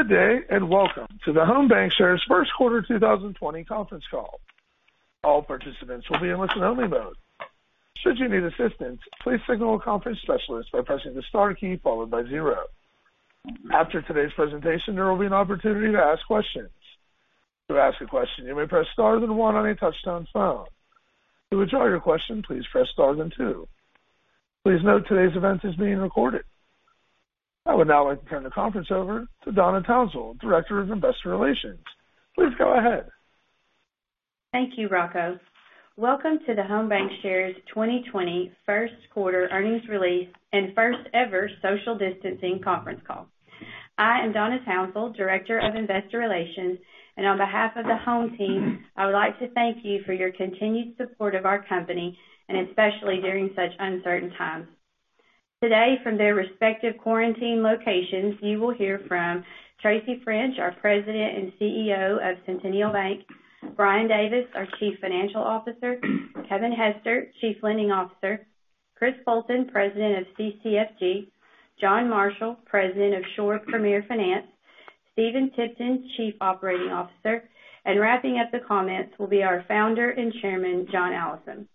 Good day. Welcome to the Home Bancshares first quarter 2020 conference call. All participants will be in listen-only mode. Should you need assistance, please signal a conference specialist by pressing the star key, followed by zero. After today's presentation, there will be an opportunity to ask questions. To ask a question, you may press star then one on a touch-tone phone. To withdraw your question, please press star then two. Please note, today's event is being recorded. I would now like to turn the conference over to Donna Townsell, Director of Investor Relations. Please go ahead. Thank you, Rocco. Welcome to the Home Bancshares 2020 first quarter earnings release, and first ever social distancing conference call. I am Donna Townsell, Director of Investor Relations, and on behalf of the Home team, I would like to thank you for your continued support of our company, and especially during such uncertain times. Today, from their respective quarantine locations, you will hear from Tracy French, our President and CEO of Centennial Bank, Brian Davis, our Chief Financial Officer, Kevin Hester, Chief Lending Officer, Chris Poulton, President of CCFG, John Marshall, President of Shore Premier Finance, Stephen Tipton, Chief Operating Officer, and wrapping up the comments will be our Founder and Chairman, John Allison.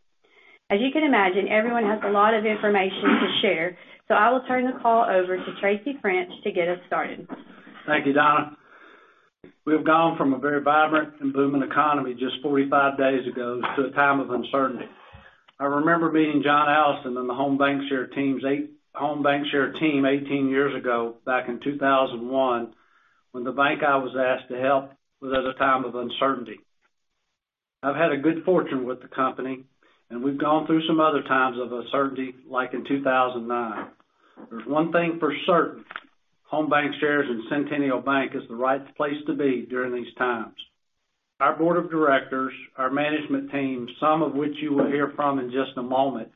As you can imagine, everyone has a lot of information to share, so I will turn the call over to Tracy French to get us started. Thank you, Donna. We have gone from a very vibrant and booming economy just 45 days ago to a time of uncertainty. I remember meeting John Allison and the Home Bancshares team 18 years ago, back in 2001, when the bank I was asked to help was at a time of uncertainty. I've had a good fortune with the company, and we've gone through some other times of uncertainty, like in 2009. There's one thing for certain, Home Bancshares and Centennial Bank is the right place to be during these times. Our Board of Directors, our management team, some of which you will hear from in just a moment,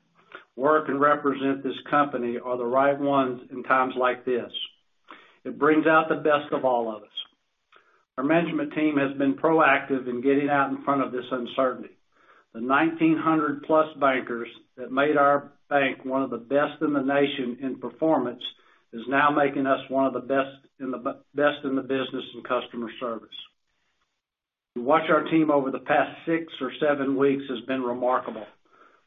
work and represent this company are the right ones in times like this. It brings out the best of all of us. Our management team has been proactive in getting out in front of this uncertainty. The 1,900+ bankers that made our bank one of the best in the nation in performance, is now making us one of the best in the business in customer service. To watch our team over the past six or seven weeks has been remarkable.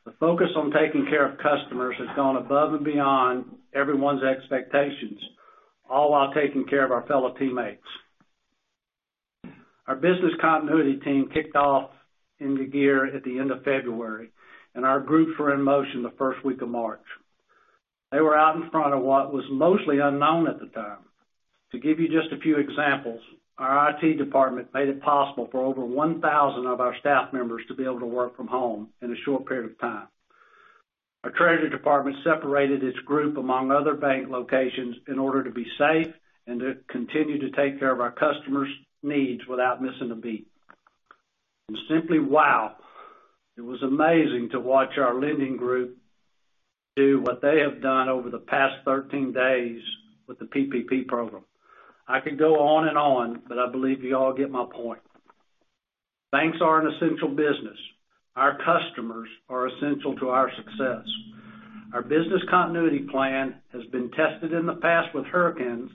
The focus on taking care of customers has gone above and beyond everyone's expectations, all while taking care of our fellow teammates. Our business continuity team kicked off into gear at the end of February, and our groups were in motion the first week of March. They were out in front of what was mostly unknown at the time. To give you just a few examples, our IT department made it possible for over 1,000 of our staff members to be able to work from home in a short period of time. Our treasury department separated its group among other bank locations in order to be safe and to continue to take care of our customers' needs without missing a beat. Simply wow, it was amazing to watch our lending group do what they have done over the past 13 days with the PPP program. I could go on and on, but I believe you all get my point. Banks are an essential business. Our customers are essential to our success. Our business continuity plan has been tested in the past with hurricanes,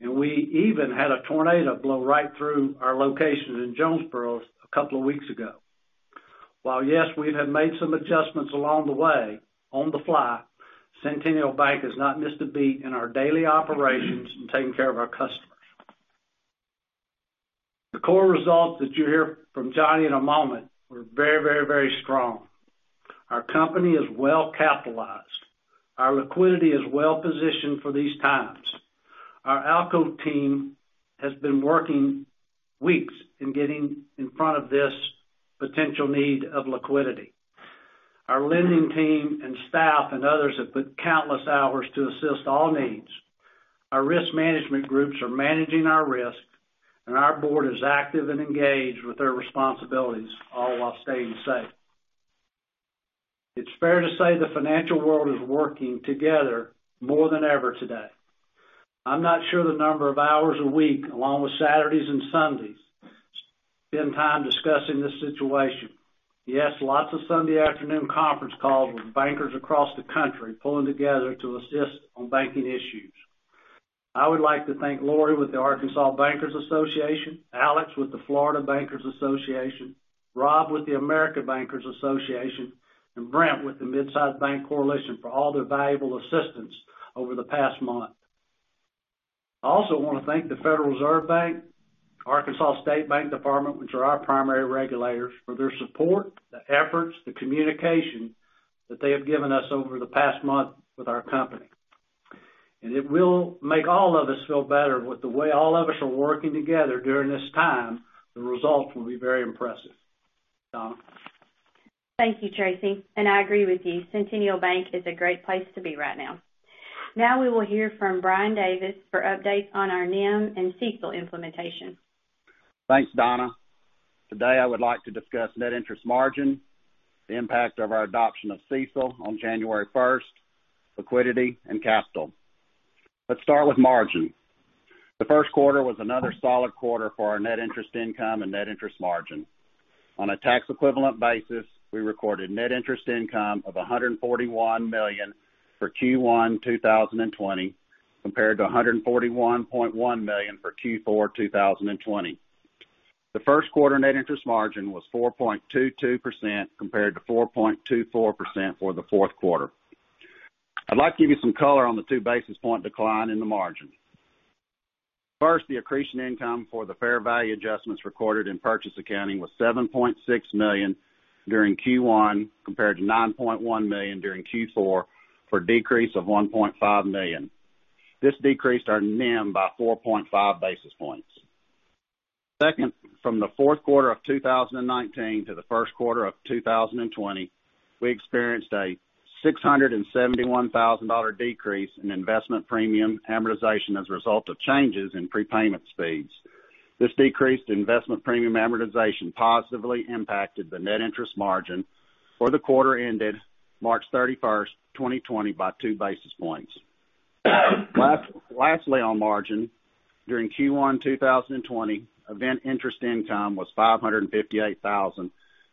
and we even had a tornado blow right through our location in Jonesboro a couple of weeks ago. While yes, we have made some adjustments along the way, on the fly, Centennial Bank has not missed a beat in our daily operations in taking care of our customers. The core results that you'll hear from Johnny in a moment were very strong. Our company is well capitalized. Our liquidity is well positioned for these times. Our ALCO team has been working weeks in getting in front of this potential need of liquidity. Our lending team and staff and others have put countless hours to assist all needs. Our risk management groups are managing our risk, and our board is active and engaged with their responsibilities, all while staying safe. It's fair to say the financial world is working together more than ever today. I'm not sure the number of hours a week, along with Saturdays and Sundays, spend time discussing this situation. Yes, lots of Sunday afternoon conference calls with bankers across the country, pulling together to assist on banking issues. I would like to thank Lorrie with the Arkansas Bankers Association, Alex with the Florida Bankers Association, Rob with the American Bankers Association, and Brent with the Mid-Size Bank Coalition for all their valuable assistance over the past month. I also want to thank the Federal Reserve Bank, Arkansas State Bank Department, which are our primary regulators, for their support, the efforts, the communication that they have given us over the past month with our company. It will make all of us feel better with the way all of us are working together during this time, the results will be very impressive. Donna? Thank you, Tracy, and I agree with you. Centennial Bank is a great place to be right now. We will hear from Brian Davis for updates on our NIM and CECL implementation. Thanks, Donna. Today, I would like to discuss net interest margin, the impact of our adoption of CECL on January 1st, liquidity, and capital. Let's start with margin. The first quarter was another solid quarter for our net interest income and net interest margin. On a tax equivalent basis, we recorded net interest income of $141 million for Q1 2020 compared to $141.1 million for Q4 2020. The first quarter net interest margin was 4.22% compared to 4.24% for the fourth quarter. I'd like to give you some color on the two basis point decline in the margin. First, the accretion income for the fair value adjustments recorded in purchase accounting was $7.6 million during Q1 compared to $9.1 million during Q4, for a decrease of $1.5 million. This decreased our NIM by 4.5 basis points. Second, from the fourth quarter of 2019 to the first quarter of 2020, we experienced a $671,000 decrease in investment premium amortization as a result of changes in prepayment speeds. This decreased investment premium amortization positively impacted the net interest margin for the quarter ended March 31st, 2020 by 2 basis points. Lastly, on margin, during Q1 2020, event interest income was $558,000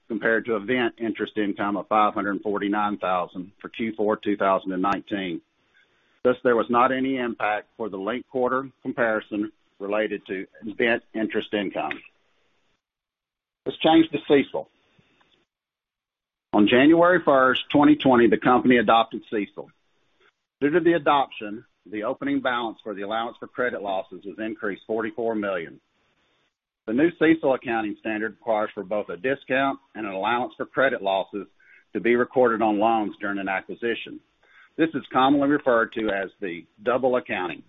compared to event interest income of $549,000 for Q4 2019. There was not any impact for the linked quarter comparison related to event interest income. Let's change to CECL. On January 1st, 2020, the company adopted CECL. Due to the adoption, the opening balance for the allowance for credit losses has increased $44 million. The new CECL accounting standard requires for both a discount and an allowance for credit losses to be recorded on loans during an acquisition. This is commonly referred to as the double accounting.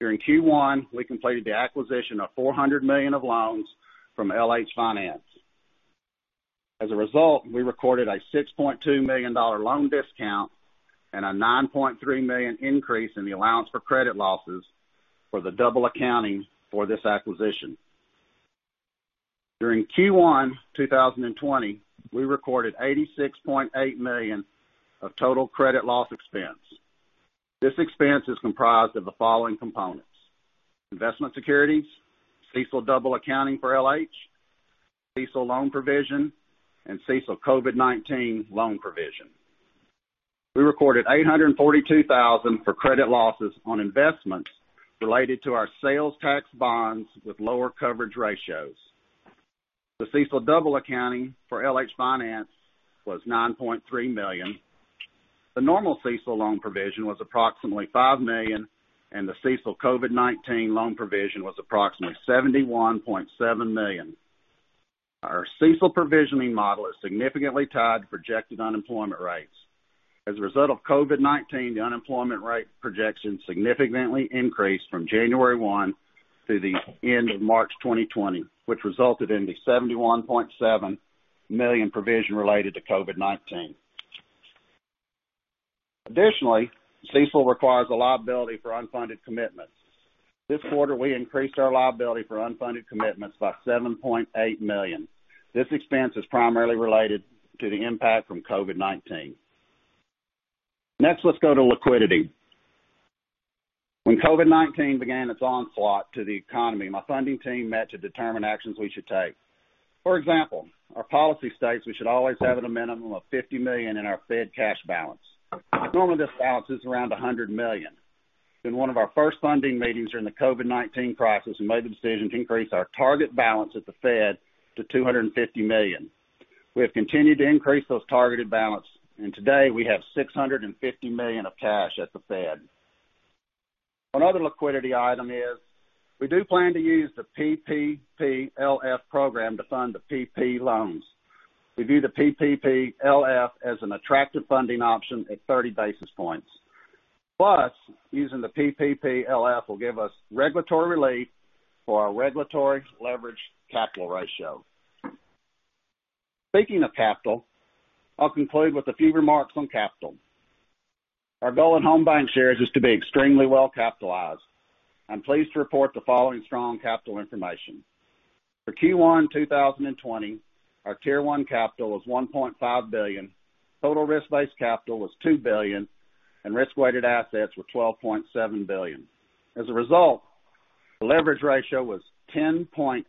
During Q1, we completed the acquisition of $400 million of loans from LH-Finance. As a result, we recorded a $6.2 million loan discount and a $9.3 million increase in the allowance for credit losses for the double accounting for this acquisition. During Q1 2020, we recorded $86.8 million of total credit loss expense. This expense is comprised of the following components: investment securities, CECL double accounting for LH, CECL loan provision, and CECL COVID-19 loan provision. We recorded $842,000 for credit losses on investments related to our sales tax bonds with lower coverage ratios. The CECL double accounting for LH-Finance was $9.3 million. The normal CECL loan provision was approximately $5 million, and the CECL COVID-19 loan provision was approximately $71.7 million. Our CECL provisioning model is significantly tied to projected unemployment rates. As a result of COVID-19, the unemployment rate projection significantly increased from January 1 to the end of March 2020, which resulted in the $71.7 million provision related to COVID-19. Additionally, CECL requires a liability for unfunded commitments. This quarter, we increased our liability for unfunded commitments by $7.8 million. This expense is primarily related to the impact from COVID-19. Next, let's go to liquidity. When COVID-19 began its onslaught to the economy, my funding team met to determine actions we should take. For example, our policy states we should always have at a minimum of $50 million in our Fed cash balance. Normally, this balance is around $100 million. In one of our first funding meetings during the COVID-19 crisis, we made the decision to increase our target balance at the Fed to $250 million. We have continued to increase those targeted balance. Today, we have $650 million of cash at the Fed. Another liquidity item is we do plan to use the PPPLF program to fund the PPP loans. We view the PPPLF as an attractive funding option at 30 basis points. Plus, using the PPPLF will give us regulatory relief for our regulatory leverage capital ratio. Speaking of capital, I'll conclude with a few remarks on capital. Our goal at Home Bancshares is to be extremely well capitalized. I'm pleased to report the following strong capital information. For Q1 2020, our Tier 1 capital was $1.5 billion, total risk-based capital was $2 billion, and risk-weighted assets were $12.7 billion. As a result, the leverage ratio was 10.8%,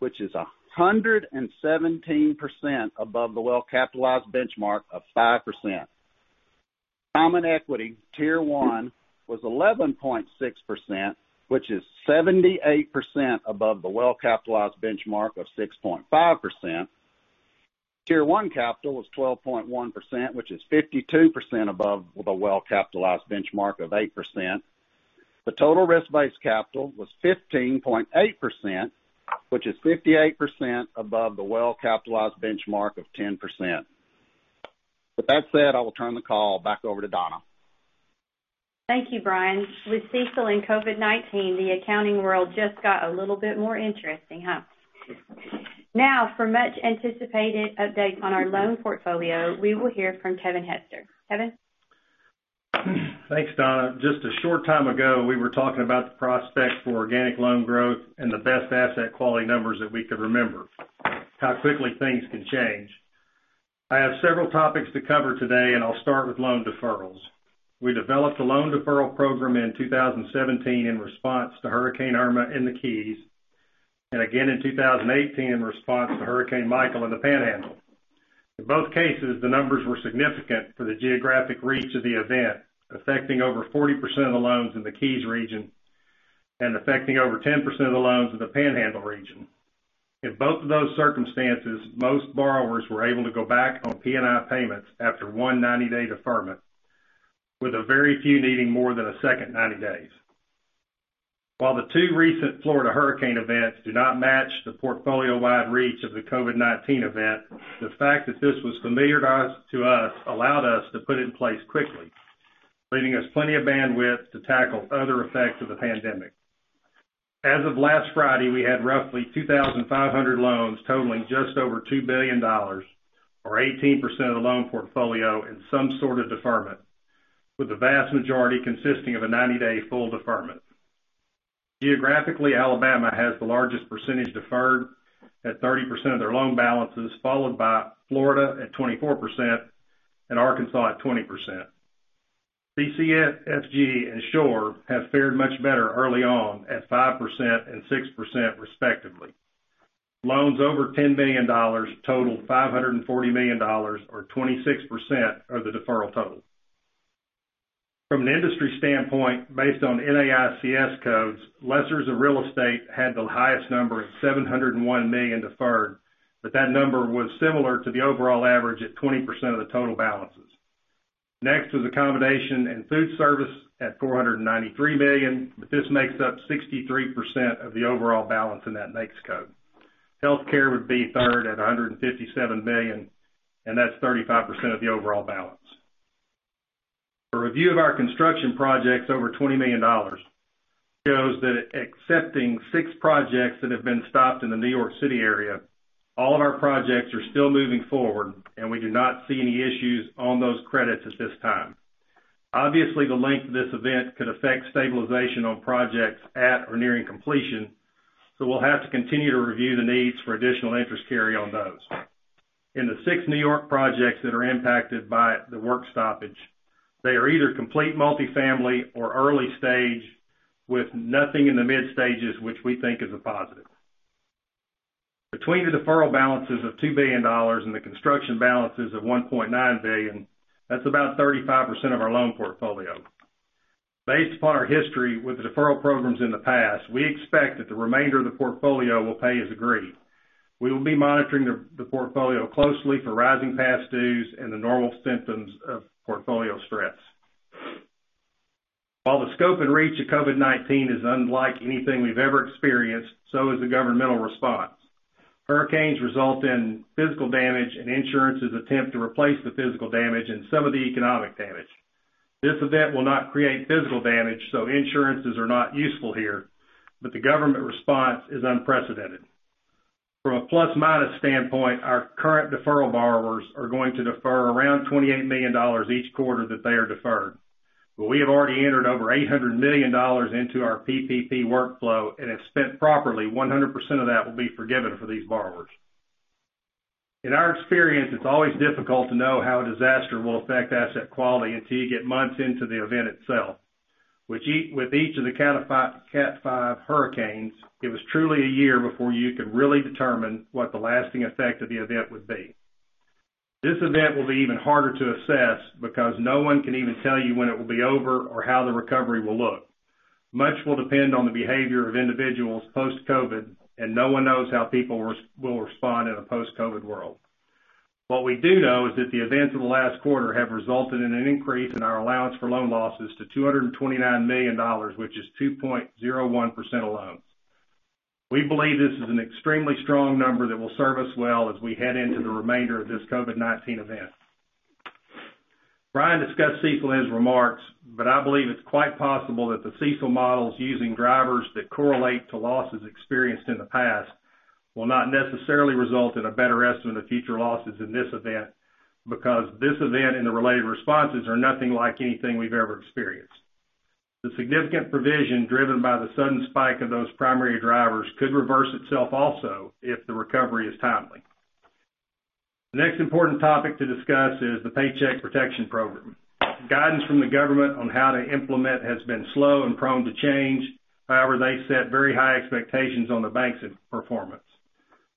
which is 117% above the well-capitalized benchmark of 5%. Common equity, Tier 1, was 11.6%, which is 78% above the well-capitalized benchmark of 6.5%. Tier 1 capital was 12.1%, which is 52% above the well-capitalized benchmark of 8%. The total risk-based capital was 15.8%, which is 58% above the well-capitalized benchmark of 10%. With that said, I will turn the call back over to Donna. Thank you, Brian. With CECL and COVID-19, the accounting world just got a little bit more interesting, huh? For much anticipated updates on our loan portfolio, we will hear from Kevin Hester. Kevin? Thanks, Donna. Just a short time ago, we were talking about the prospects for organic loan growth and the best asset quality numbers that we could remember. How quickly things can change. I have several topics to cover today, and I'll start with loan deferrals. We developed a loan deferral program in 2017 in response to Hurricane Irma in the Keys, and again in 2018 in response to Hurricane Michael in the Panhandle. In both cases, the numbers were significant for the geographic reach of the event, affecting over 40% of the loans in the Keys region and affecting over 10% of the loans in the Panhandle region. In both of those circumstances, most borrowers were able to go back on P&I payments after one 90-day deferment, with a very few needing more than a second 90 days. While the two recent Florida hurricane events do not match the portfolio-wide reach of the COVID-19 event, the fact that this was familiar to us allowed us to put it in place quickly, leaving us plenty of bandwidth to tackle other effects of the pandemic. As of last Friday, we had roughly 2,500 loans totaling just over $2 billion, or 18% of the loan portfolio in some sort of deferment, with the vast majority consisting of a 90-day full deferment. Geographically, Alabama has the largest percentage deferred at 30% of their loan balances, followed by Florida at 24% and Arkansas at 20%. CCFG and Shore have fared much better early on at 5% and 6% respectively. Loans over $10 million total $540 million, or 26% of the deferral total. From an industry standpoint, based on NAICS codes, lessors of real estate had the highest number at $701 million deferred, but that number was similar to the overall average at 20% of the total balances. Next was accommodation and food service at $493 million, but this makes up 63% of the overall balance in that NAICS code. Healthcare would be third at $157 million, and that's 35% of the overall balance. A review of our construction projects over $20 million shows that excepting six projects that have been stopped in the New York City area, all of our projects are still moving forward, and we do not see any issues on those credits at this time. Obviously, the length of this event could affect stabilization on projects at or nearing completion, so we'll have to continue to review the needs for additional interest carry on those. In the six New York projects that are impacted by the work stoppage, they are either complete multifamily or early stage with nothing in the mid stages, which we think is a positive. Between the deferral balances of $2 billion and the construction balances of $1.9 billion, that's about 35% of our loan portfolio. Based upon our history with the deferral programs in the past, we expect that the remainder of the portfolio will pay as agreed. We will be monitoring the portfolio closely for rising past dues and the normal symptoms of portfolio stress. While the scope and reach of COVID-19 is unlike anything we've ever experienced, so is the governmental response. Hurricanes result in physical damage, and insurances attempt to replace the physical damage and some of the economic damage. This event will not create physical damage, so insurances are not useful here, but the government response is unprecedented. From a plus/minus standpoint, our current deferral borrowers are going to defer around $28 million each quarter that they are deferred. We have already entered over $800 million into our PPP workflow, and if spent properly, 100% of that will be forgiven for these borrowers. In our experience, it's always difficult to know how a disaster will affect asset quality until you get months into the event itself. With each of the Cat Five hurricanes, it was truly a year before you could really determine what the lasting effect of the event would be. This event will be even harder to assess because no one can even tell you when it will be over or how the recovery will look. Much will depend on the behavior of individuals post-COVID, and no one knows how people will respond in a post-COVID world. What we do know is that the events of the last quarter have resulted in an increase in our allowance for loan losses to $229 million, which is 2.01% of loans. We believe this is an extremely strong number that will serve us well as we head into the remainder of this COVID-19 event. Brian discussed CECL in his remarks, but I believe it's quite possible that the CECL models using drivers that correlate to losses experienced in the past will not necessarily result in a better estimate of future losses in this event, because this event and the related responses are nothing like anything we've ever experienced. The significant provision driven by the sudden spike of those primary drivers could reverse itself also if the recovery is timely. The next important topic to discuss is the Paycheck Protection Program. Guidance from the government on how to implement has been slow and prone to change. They set very high expectations on the bank's performance.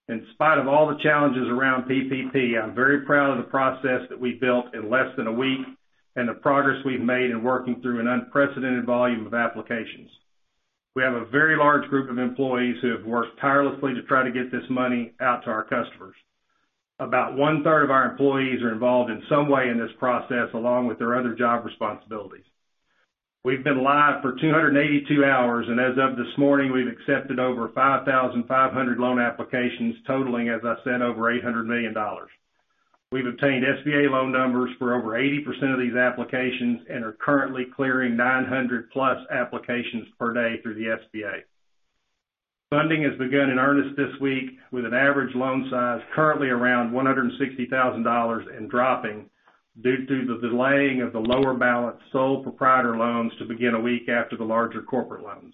In spite of all the challenges around PPP, I'm very proud of the process that we built in less than a week and the progress we've made in working through an unprecedented volume of applications. We have a very large group of employees who have worked tirelessly to try to get this money out to our customers. About 1/3 of our employees are involved in some way in this process, along with their other job responsibilities. We've been live for 282 hours, and as of this morning, we've accepted over 5,500 loan applications totaling, as I said, over $800 million. We've obtained SBA loan numbers for over 80% of these applications and are currently clearing 900+ applications per day through the SBA. Funding has begun in earnest this week with an average loan size currently around $160,000 and dropping due to the delaying of the lower balance sole proprietor loans to begin a week after the larger corporate loans.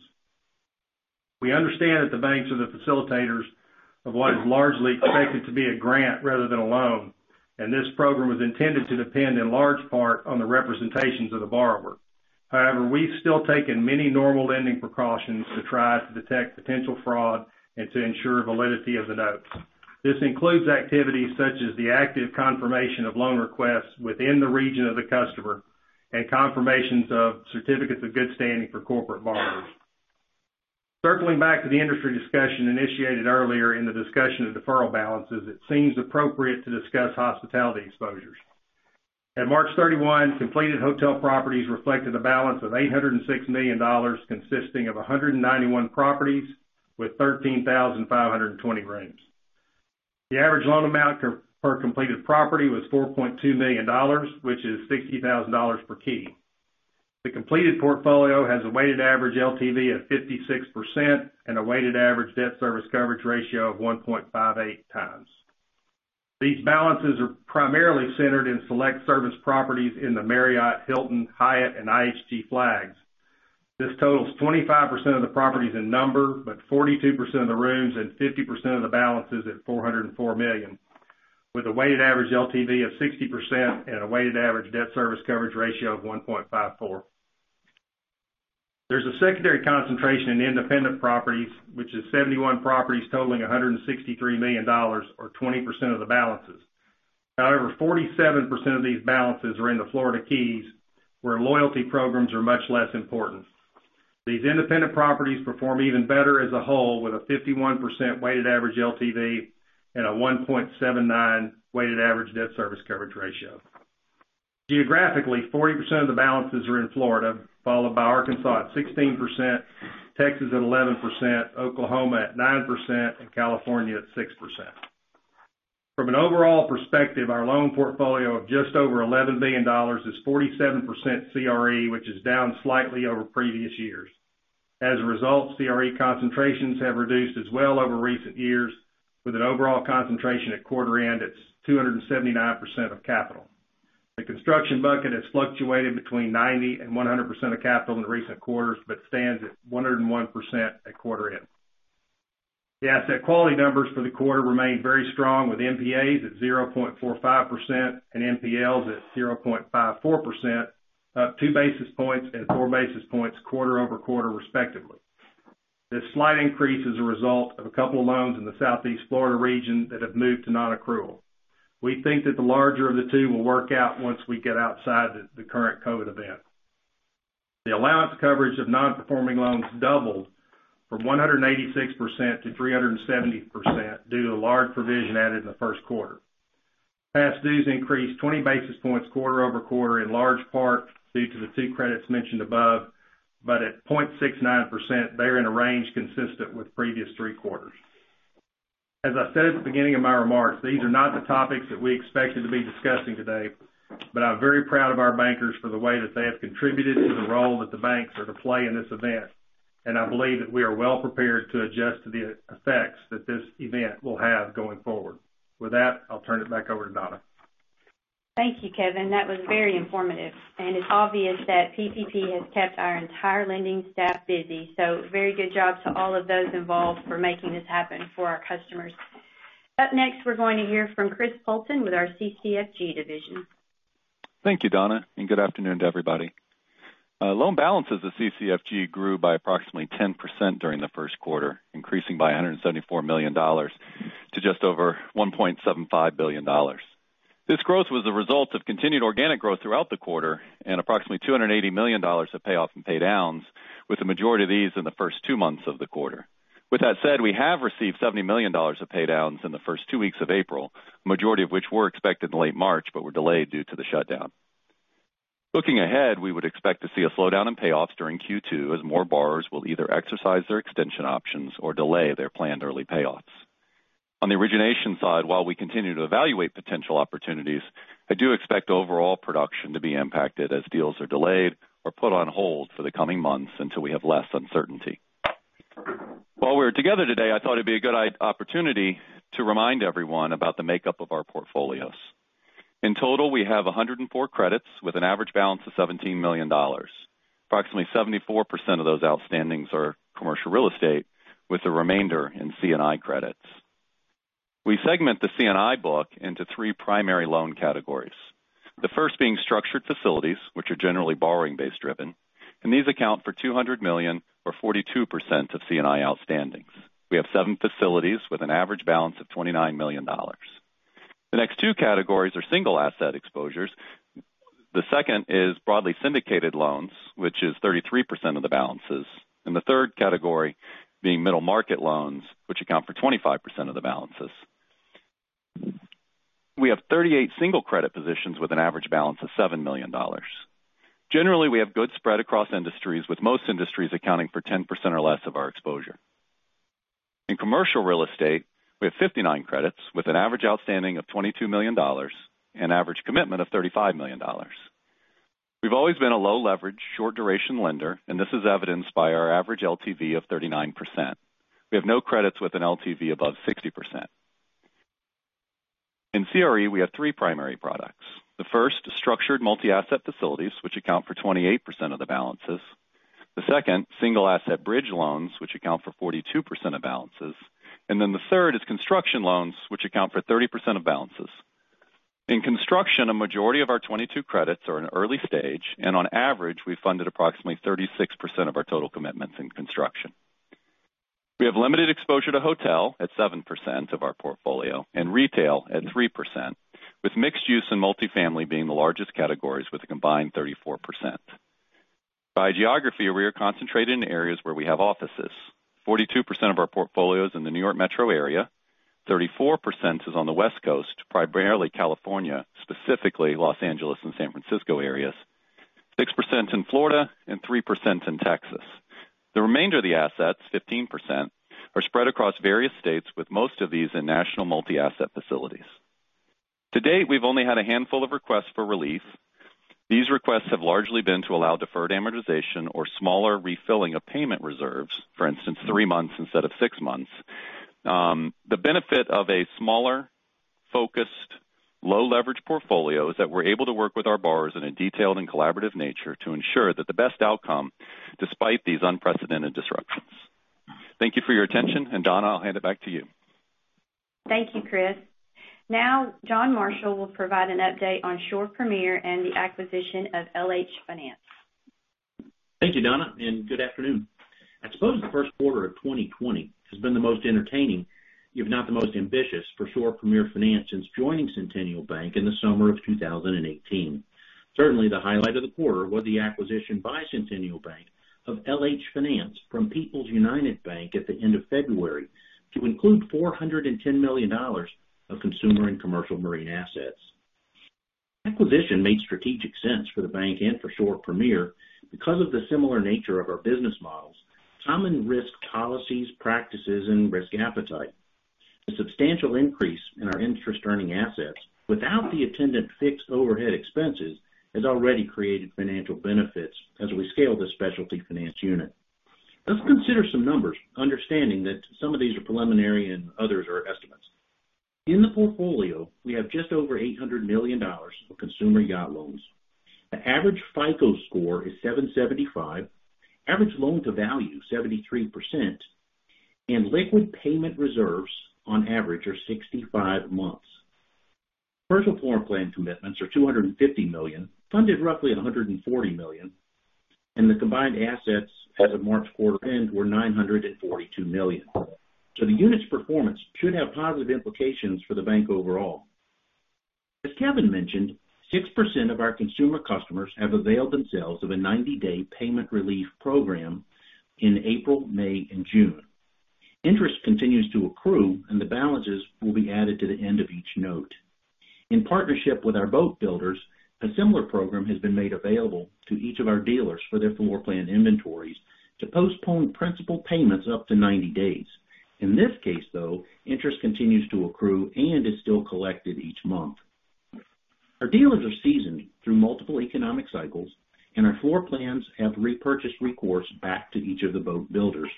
We understand that the banks are the facilitators of what is largely expected to be a grant rather than a loan. This program was intended to depend in large part on the representations of the borrower. However, we've still taken many normal lending precautions to try to detect potential fraud and to ensure validity of the notes. This includes activities such as the active confirmation of loan requests within the region of the customer and confirmations of certificates of good standing for corporate borrowers. Circling back to the industry discussion initiated earlier in the discussion of deferral balances, it seems appropriate to discuss hospitality exposures. At March 31, completed hotel properties reflected a balance of $806 million, consisting of 191 properties with 13,520 rooms. The average loan amount per completed property was $4.2 million, which is $60,000 per key. The completed portfolio has a weighted average LTV of 56% and a weighted average debt service coverage ratio of 1.58x. These balances are primarily centered in select service properties in the Marriott, Hilton, Hyatt, and IHG flags. This totals 25% of the properties in number, but 42% of the rooms and 50% of the balances at $404 million, with a weighted average LTV of 60% and a weighted average debt service coverage ratio of 1.54%. There's a secondary concentration in independent properties, which is 71 properties totaling $163 million, or 20% of the balances. 47% of these balances are in the Florida Keys, where loyalty programs are much less important. These independent properties perform even better as a whole, with a 51% weighted average LTV and a 1.79 weighted average debt service coverage ratio. Geographically, 40% of the balances are in Florida, followed by Arkansas at 16%, Texas at 11%, Oklahoma at 9%, and California at 6%. From an overall perspective, our loan portfolio of just over $11 billion is 47% CRE, which is down slightly over previous years. CRE concentrations have reduced as well over recent years, with an overall concentration at quarter end at 279% of capital. The construction bucket has fluctuated between 90%-100% of capital in recent quarters, but stands at 101% at quarter end. The asset quality numbers for the quarter remained very strong, with NPAs at 0.45% and NPLs at 0.54%, up 2 basis points and 4 basis points quarter-over-quarter respectively. This slight increase is a result of a couple of loans in the Southeast Florida region that have moved to non-accrual. We think that the larger of the two will work out once we get outside the current COVID event. The allowance coverage of non-performing loans doubled from 186%-370% due to a large provision added in the first quarter. Past dues increased 20 basis points quarter-over-quarter, in large part due to the two credits mentioned above, but at 0.69%, they're in a range consistent with previous three quarters. As I said at the beginning of my remarks, these are not the topics that we expected to be discussing today, but I'm very proud of our bankers for the way that they have contributed to the role that the banks are to play in this event. I believe that we are well prepared to adjust to the effects that this event will have going forward. With that, I'll turn it back over to Donna. Thank you, Kevin. That was very informative, and it's obvious that PPP has kept our entire lending staff busy. Very good job to all of those involved for making this happen for our customers. Up next, we're going to hear from Chris Poulton with our CCFG division. Thank you, Donna, and good afternoon to everybody. Loan balances at CCFG grew by approximately 10% during the first quarter, increasing by $174 million to just over $1.75 billion. This growth was the result of continued organic growth throughout the quarter and approximately $280 million of payoff and pay downs, with the majority of these in the first two months of the quarter. With that said, we have received $70 million of pay downs in the first two weeks of April, the majority of which were expected in late March, but were delayed due to the shutdown. Looking ahead, we would expect to see a slowdown in payoffs during Q2 as more borrowers will either exercise their extension options or delay their planned early payoffs. On the origination side, while we continue to evaluate potential opportunities, I do expect overall production to be impacted as deals are delayed or put on hold for the coming months until we have less uncertainty. While we're together today, I thought it'd be a good opportunity to remind everyone about the makeup of our portfolios. In total, we have 104 credits with an average balance of $17 million. Approximately 74% of those outstandings are commercial real estate, with the remainder in C&I credits. We segment the C&I book into three primary loan categories. The first being structured facilities, which are generally borrowing-base driven, and these account for $200 million or 42% of C&I outstandings. We have seven facilities with an average balance of $29 million. The next two categories are single asset exposures. The second is broadly syndicated loans, which is 33% of the balances. The third category being middle market loans, which account for 25% of the balances. We have 38 single credit positions with an average balance of $7 million. Generally, we have good spread across industries, with most industries accounting for 10% or less of our exposure. In commercial real estate, we have 59 credits with an average outstanding of $22 million and average commitment of $35 million. We've always been a low leverage, short duration lender. This is evidenced by our average LTV of 39%. We have no credits with an LTV above 60%. In CRE, we have three primary products. The first is structured multi-asset facilities, which account for 28% of the balances. The second, single asset bridge loans, which account for 42% of balances. The third is construction loans, which account for 30% of balances. In construction, a majority of our 22 credits are in early stage, and on average, we funded approximately 36% of our total commitments in construction. We have limited exposure to hotel at 7% of our portfolio and retail at 3%, with mixed use and multifamily being the largest categories with a combined 34%. By geography, we are concentrated in areas where we have offices. 42% of our portfolio is in the New York metro area, 34% is on the West Coast, primarily California, specifically Los Angeles and San Francisco areas, 6% in Florida and 3% in Texas. The remainder of the assets, 15%, are spread across various states, with most of these in national multi-asset facilities. To date, we've only had a handful of requests for relief. These requests have largely been to allow deferred amortization or smaller refilling of payment reserves, for instance, three months instead of six months. The benefit of a smaller, focused, low-leverage portfolio is that we're able to work with our borrowers in a detailed and collaborative nature to ensure that the best outcome despite these unprecedented disruptions. Thank you for your attention, Donna, I'll hand it back to you. Thank you, Chris. Now John Marshall will provide an update on Shore Premier and the acquisition of LH-Finance. Thank you, Donna. Good afternoon. I suppose the first quarter of 2020 has been the most entertaining, if not the most ambitious, for Shore Premier Finance since joining Centennial Bank in the summer of 2018. Certainly, the highlight of the quarter was the acquisition by Centennial Bank of LH-Finance from People's United Bank at the end of February to include $410 million of consumer and commercial marine assets. Acquisition made strategic sense for the bank and for Shore Premier because of the similar nature of our business models, common risk policies, practices, and risk appetite. The substantial increase in our interest-earning assets without the attendant fixed overhead expenses has already created financial benefits as we scale this specialty finance unit. Let's consider some numbers, understanding that some of these are preliminary and others are estimates. In the portfolio, we have just over $800 million of consumer yacht loans. The average FICO score is 775, average loan-to-value 73%, and liquid payment reserves on average are 65 months. Commercial floor plan commitments are $250 million, funded roughly at $140 million, and the combined assets as of March quarter end were $942 million. The unit's performance should have positive implications for the bank overall. As Kevin mentioned, 6% of our consumer customers have availed themselves of a 90-day payment relief program in April, May, and June. Interest continues to accrue, and the balances will be added to the end of each note. In partnership with our boat builders, a similar program has been made available to each of our dealers for their floor plan inventories to postpone principal payments up to 90 days. In this case, though, interest continues to accrue and is still collected each month. Our dealers are seasoned through multiple economic cycles, and our floor plans have repurchased recourse back to each of the boat builders.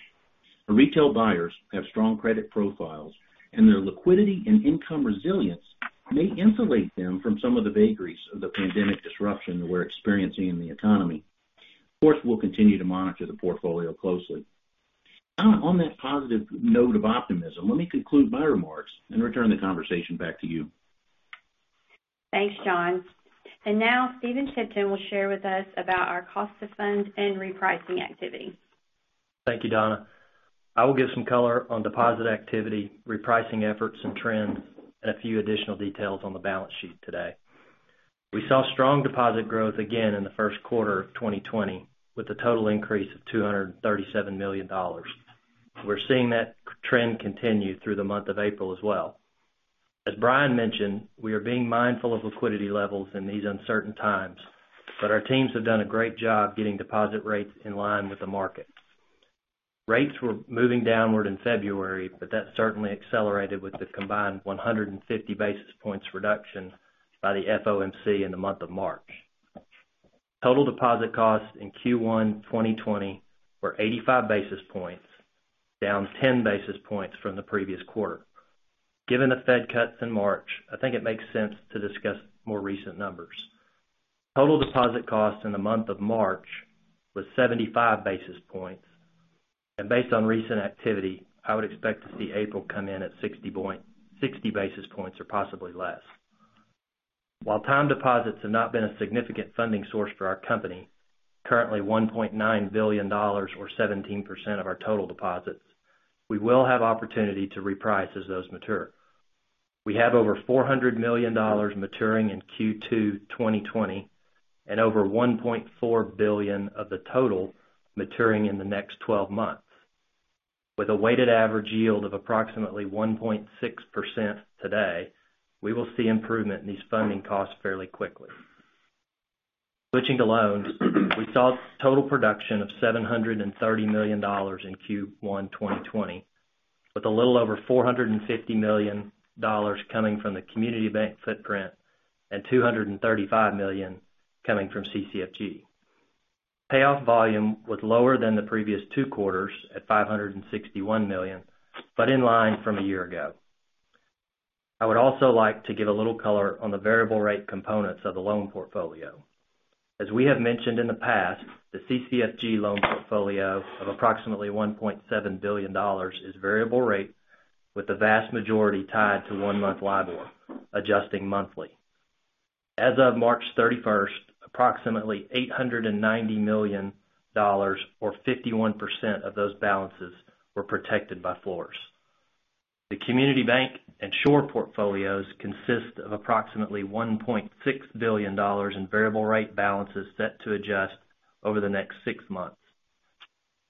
Our retail buyers have strong credit profiles, and their liquidity and income resilience may insulate them from some of the vagaries of the pandemic disruption that we're experiencing in the economy. Of course, we'll continue to monitor the portfolio closely. On that positive note of optimism, let me conclude my remarks and return the conversation back to you. Thanks, John. Now Stephen Tipton will share with us about our cost of funds and repricing activity. Thank you, Donna. I will give some color on deposit activity, repricing efforts and trends, and a few additional details on the balance sheet today. We saw strong deposit growth again in the first quarter of 2020 with a total increase of $237 million. We're seeing that trend continue through the month of April as well. As Brian mentioned, we are being mindful of liquidity levels in these uncertain times, but our teams have done a great job getting deposit rates in line with the market. Rates were moving downward in February, but that certainly accelerated with the combined 150 basis points reduction by the FOMC in the month of March. Total deposit costs in Q1 2020 were 85 basis points, down 10 basis points from the previous quarter. Given the Fed cuts in March, I think it makes sense to discuss more recent numbers. Total deposit costs in the month of March was 75 basis points. Based on recent activity, I would expect to see April come in at 60 basis points or possibly less. While time deposits have not been a significant funding source for our company, currently $1.9 billion or 17% of our total deposits, we will have opportunity to reprice as those mature. We have over $400 million maturing in Q2 2020 and over $1.4 billion of the total maturing in the next 12 months. With a weighted average yield of approximately 1.6% today, we will see improvement in these funding costs fairly quickly. Switching to loans, we saw total production of $730 million in Q1 2020, with a little over $450 million coming from the community bank footprint and $235 million coming from CCFG. Payoff volume was lower than the previous two quarters at $561 million. In line from a year ago, I would also like to give a little color on the variable rate components of the loan portfolio. As we have mentioned in the past, the CCFG loan portfolio of approximately $1.7 billion is variable rate, with the vast majority tied to one-month LIBOR, adjusting monthly. As of March 31st, approximately $890 million, or 51% of those balances, were protected by floors. The community bank and Shore portfolios consist of approximately $1.6 billion in variable rate balances set to adjust over the next six months.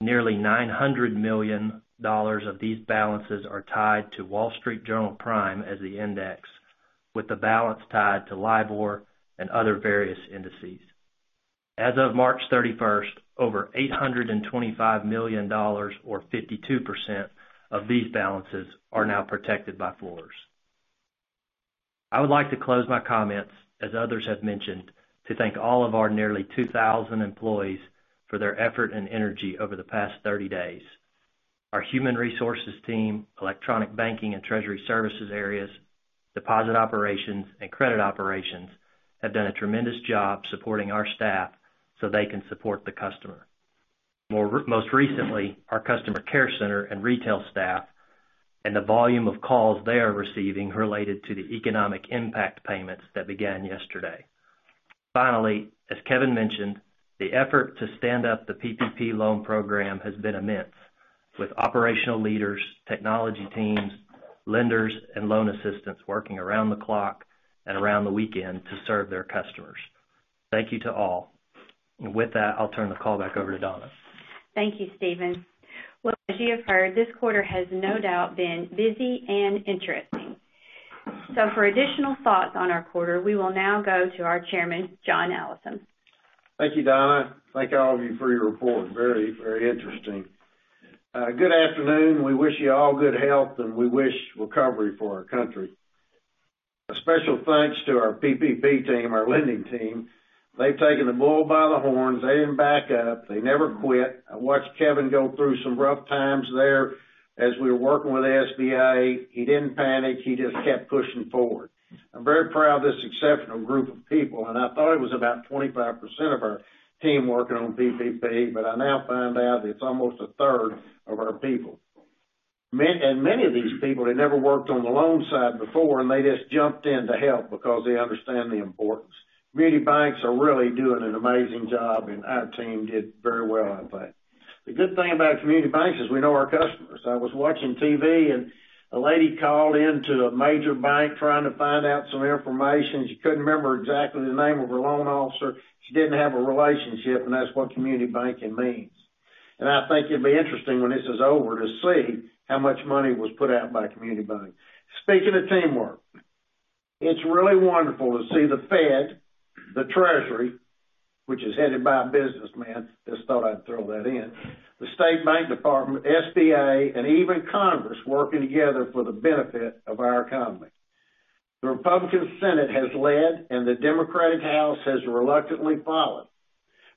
Nearly $900 million of these balances are tied to Wall Street Journal Prime as the index, with the balance tied to LIBOR and other various indices. As of March 31st, over $825 million, or 52% of these balances, are now protected by floors. I would like to close my comments, as others have mentioned, to thank all of our nearly 2,000 employees for their effort and energy over the past 30 days. Our human resources team, electronic banking and treasury services areas, deposit operations, and credit operations have done a tremendous job supporting our staff so they can support the customer. Most recently, our customer care center and retail staff, and the volume of calls they are receiving related to the Economic Impact Payments that began yesterday. Finally, as Kevin mentioned, the effort to stand up the PPP Loan Program has been immense, with operational leaders, technology teams, lenders, and loan assistants working around the clock and around the weekend to serve their customers. Thank you to all. With that, I'll turn the call back over to Donna. Thank you, Stephen. Well, as you have heard, this quarter has no doubt been busy and interesting. For additional thoughts on our quarter, we will now go to our Chairman, John Allison. Thank you, Donna. Thank you, all of you, for your report. Very, very interesting. Good afternoon. We wish you all good health, and we wish recovery for our country. A special thanks to our PPP team, our lending team. They've taken the bull by the horns. They didn't back up. They never quit. I watched Kevin go through some rough times there as we were working with SBA. He didn't panic. He just kept pushing forward. I'm very proud of this exceptional group of people, and I thought it was about 25% of our team working on PPP, but I now find out it's almost 1/3 of our people. Many of these people had never worked on the loan side before, and they just jumped in to help because they understand the importance. Community banks are really doing an amazing job, and our team did very well, I think. The good thing about community banks is we know our customers. I was watching TV, a lady called in to a major bank trying to find out some information. She couldn't remember exactly the name of her loan officer. She didn't have a relationship, that's what community banking means. I think it'd be interesting when this is over to see how much money was put out by community banking. Speaking of teamwork, it's really wonderful to see the Fed, the Treasury, which is headed by a businessman, just thought I'd throw that in, the State Bank Department, SBA, and even Congress working together for the benefit of our economy. The Republican Senate has led, the Democratic House has reluctantly followed.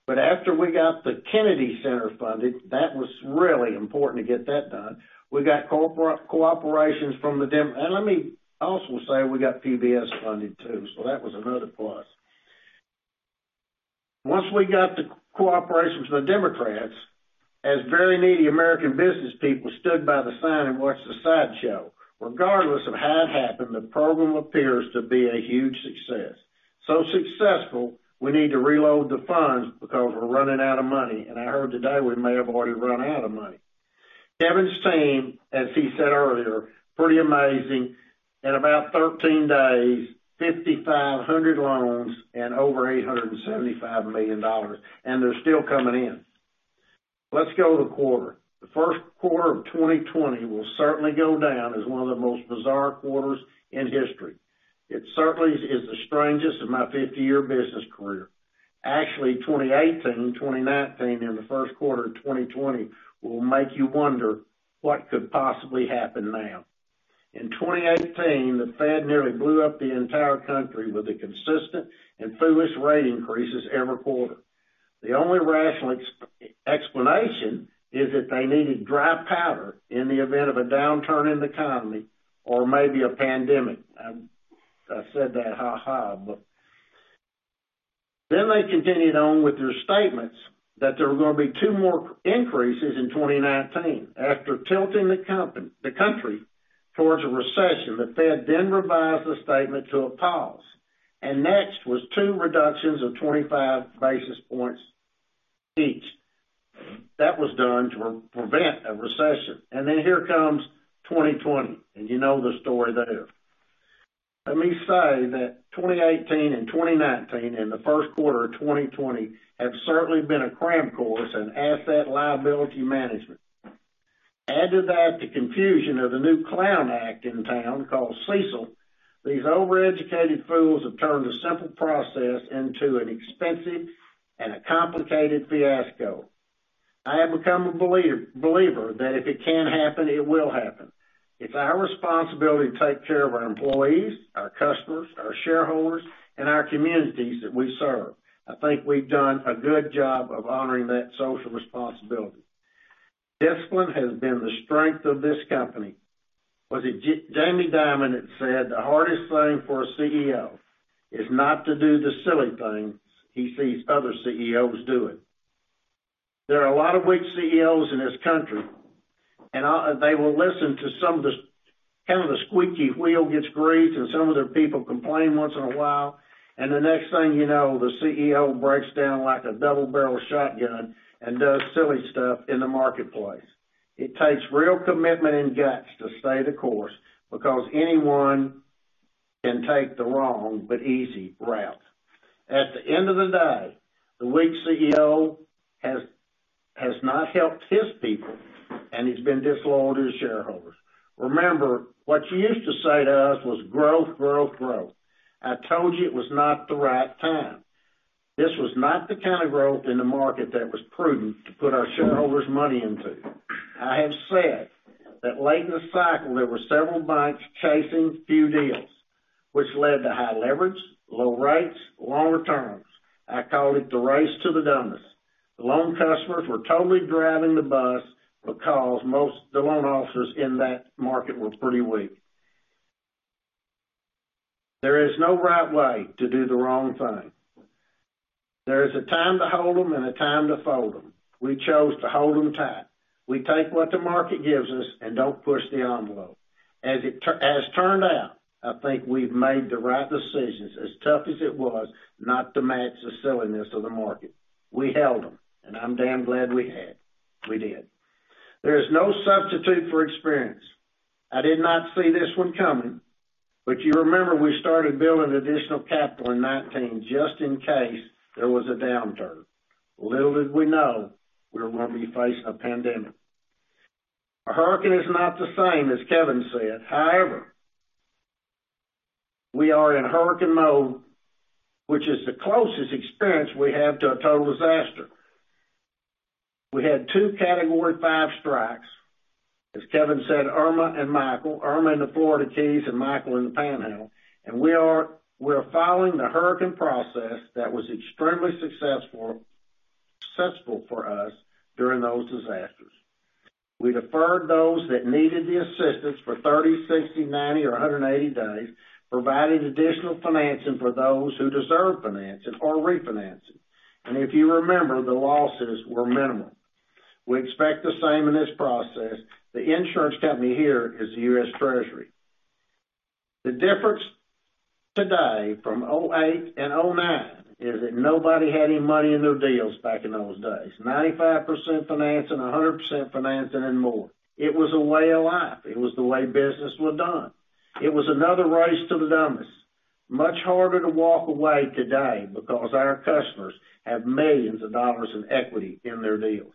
After we got the Kennedy Center funded, that was really important to get that done. We got cooperations from the Democrats, and let me also say we got PBS funded, too, so that was another plus. Once we got the cooperation from the Democrats, as very needy American business people stood by the side and watched the sideshow. Regardless of how it happened, the program appears to be a huge success. Successful, we need to reload the funds because we're running out of money, and I heard today we may have already run out of money. Kevin's team, as he said earlier, pretty amazing. In about 13 days, 5,500 loans and over $875 million, and they're still coming in. Let's go to the quarter. The first quarter of 2020 will certainly go down as one of the most bizarre quarters in history. It certainly is the strangest of my 50-year business career. Actually, 2018, 2019, and the first quarter of 2020 will make you wonder what could possibly happen now. In 2018, the Fed nearly blew up the entire country with the consistent and foolish rate increases every quarter. The only rational explanation is that they needed dry powder in the event of a downturn in the economy or maybe a pandemic. I said that haha. Then they continued on with their statements that there were going to be two more increases in 2019. After tilting the country towards a recession, the Fed then revised the statement to a pause. Next was two reductions of 25 basis points each. That was done to prevent a recession. Here comes 2020, and you know the story there. Let me say that 2018 and 2019 and the first quarter of 2020 have certainly been a cram course in asset liability management. Add to that the confusion of the new clown act in town called CECL. These overeducated fools have turned a simple process into an expensive and a complicated fiasco. I have become a believer that if it can happen, it will happen. It's our responsibility to take care of our employees, our customers, our shareholders, and our communities that we serve. I think we've done a good job of honoring that social responsibility. Discipline has been the strength of this company. Was it Jamie Dimon that said, "The hardest thing for a CEO is not to do the silly things he sees other CEOs doing?" There are a lot of weak CEOs in this country, and they will listen to kind of the squeaky wheel gets greased, and some of their people complain once in a while, and the next thing you know, the CEO breaks down like a double-barrel shotgun and does silly stuff in the marketplace. It takes real commitment and guts to stay the course, because anyone can take the wrong but easy route. At the end of the day, the weak CEO has not helped his people, and he's been disloyal to his shareholders. Remember, what you used to say to us was growth, growth. I told you it was not the right time. This was not the kind of growth in the market that was prudent to put our shareholders' money into. I have said that late in the cycle, there were several banks chasing few deals, which led to high leverage, low rates, low returns. I called it the race to the dumbest. The loan customers were totally driving the bus because most of the loan officers in that market were pretty weak. There is no right way to do the wrong thing. There is a time to hold them and a time to fold them. We chose to hold them tight. We take what the market gives us and don't push the envelope. As it has turned out, I think we've made the right decisions, as tough as it was, not to match the silliness of the market. We held them, and I'm damn glad we did. There is no substitute for experience. I did not see this one coming, but you remember we started building additional capital in 2019 just in case there was a downturn. Little did we know we were going to be facing a pandemic. A hurricane is not the same, as Kevin said. However, we are in hurricane mode, which is the closest experience we have to a total disaster. We had two Category Five strikes, as Kevin said, Irma and Michael, Irma in the Florida Keys and Michael in the Panhandle, and we're following the hurricane process that was extremely successful for us during those disasters. We deferred those that needed the assistance for 30, 60, 90, or 180 days, provided additional financing for those who deserve financing or refinancing. If you remember, the losses were minimal. We expect the same in this process. The insurance company here is the U.S. Treasury. The difference today from 2008 and 2009 is that nobody had any money in their deals back in those days, 95% financing, 100% financing, and more. It was a way of life. It was the way business was done. It was another race to the dumbest. Much harder to walk away today because our customers have millions of dollars in equity in their deals.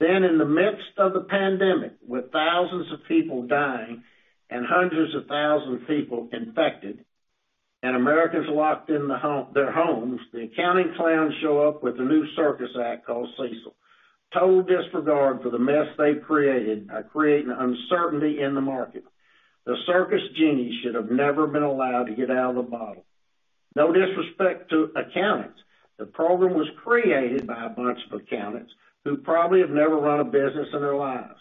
In the midst of the pandemic, with thousands of people dying and hundreds of thousands of people infected, and Americans locked in their homes, the accounting clowns show up with a new circus act called CECL. Total disregard for the mess they created by creating uncertainty in the market. The circus genie should have never been allowed to get out of the bottle. No disrespect to accountants. The program was created by a bunch of accountants who probably have never run a business in their lives.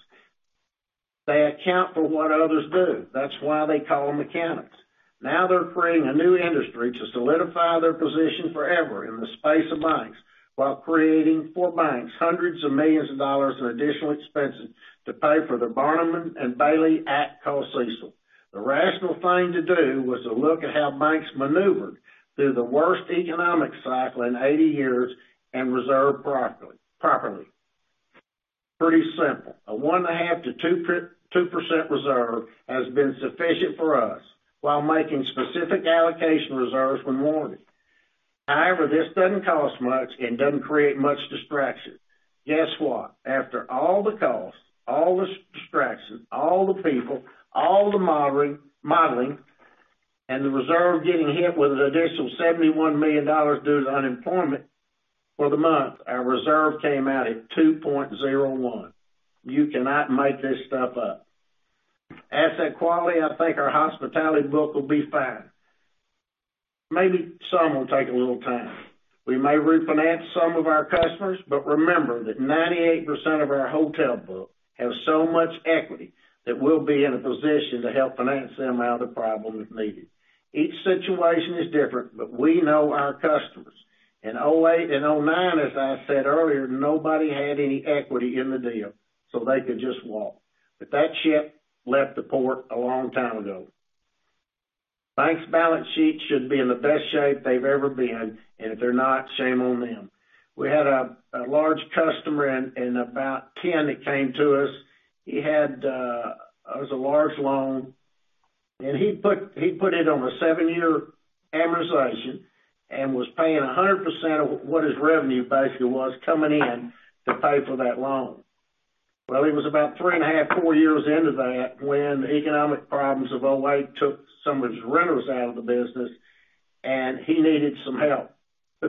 They account for what others do. That's why they call them accountants. They're creating a new industry to solidify their position forever in the space of banks while creating for banks hundreds of millions of dollars in additional expenses to pay for the Barnum & Bailey act called CECL. The rational thing to do was to look at how banks maneuvered through the worst economic cycle in 80 years and reserve properly. Pretty simple. A one and a half to 2% reserve has been sufficient for us while making specific allocation reserves when warranted. This doesn't cost much and doesn't create much distraction. Guess what? After all the costs, all the distractions, all the people, all the modeling, and the reserve getting hit with an additional $71 million due to unemployment for the month, our reserve came out at 2.01. You cannot make this stuff up. Asset quality, I think our hospitality book will be fine. Maybe some will take a little time. We may refinance some of our customers, but remember that 98% of our hotel book have so much equity that we'll be in a position to help finance them out of problems if needed. Each situation is different, but we know our customers. In 2008 and 2009, as I said earlier, nobody had any equity in the deal, so they could just walk. That ship left the port a long time ago. Banks' balance sheets should be in the best shape they've ever been, and if they're not, shame on them. We had a large customer in about 2010 that came to us. It was a large loan, he put it on a seven year amortization and was paying 100% of what his revenue basically was coming in to pay for that loan. He was about three and a half, four years into that when the economic problems of 2008 took some of his renters out of the business, and he needed some help.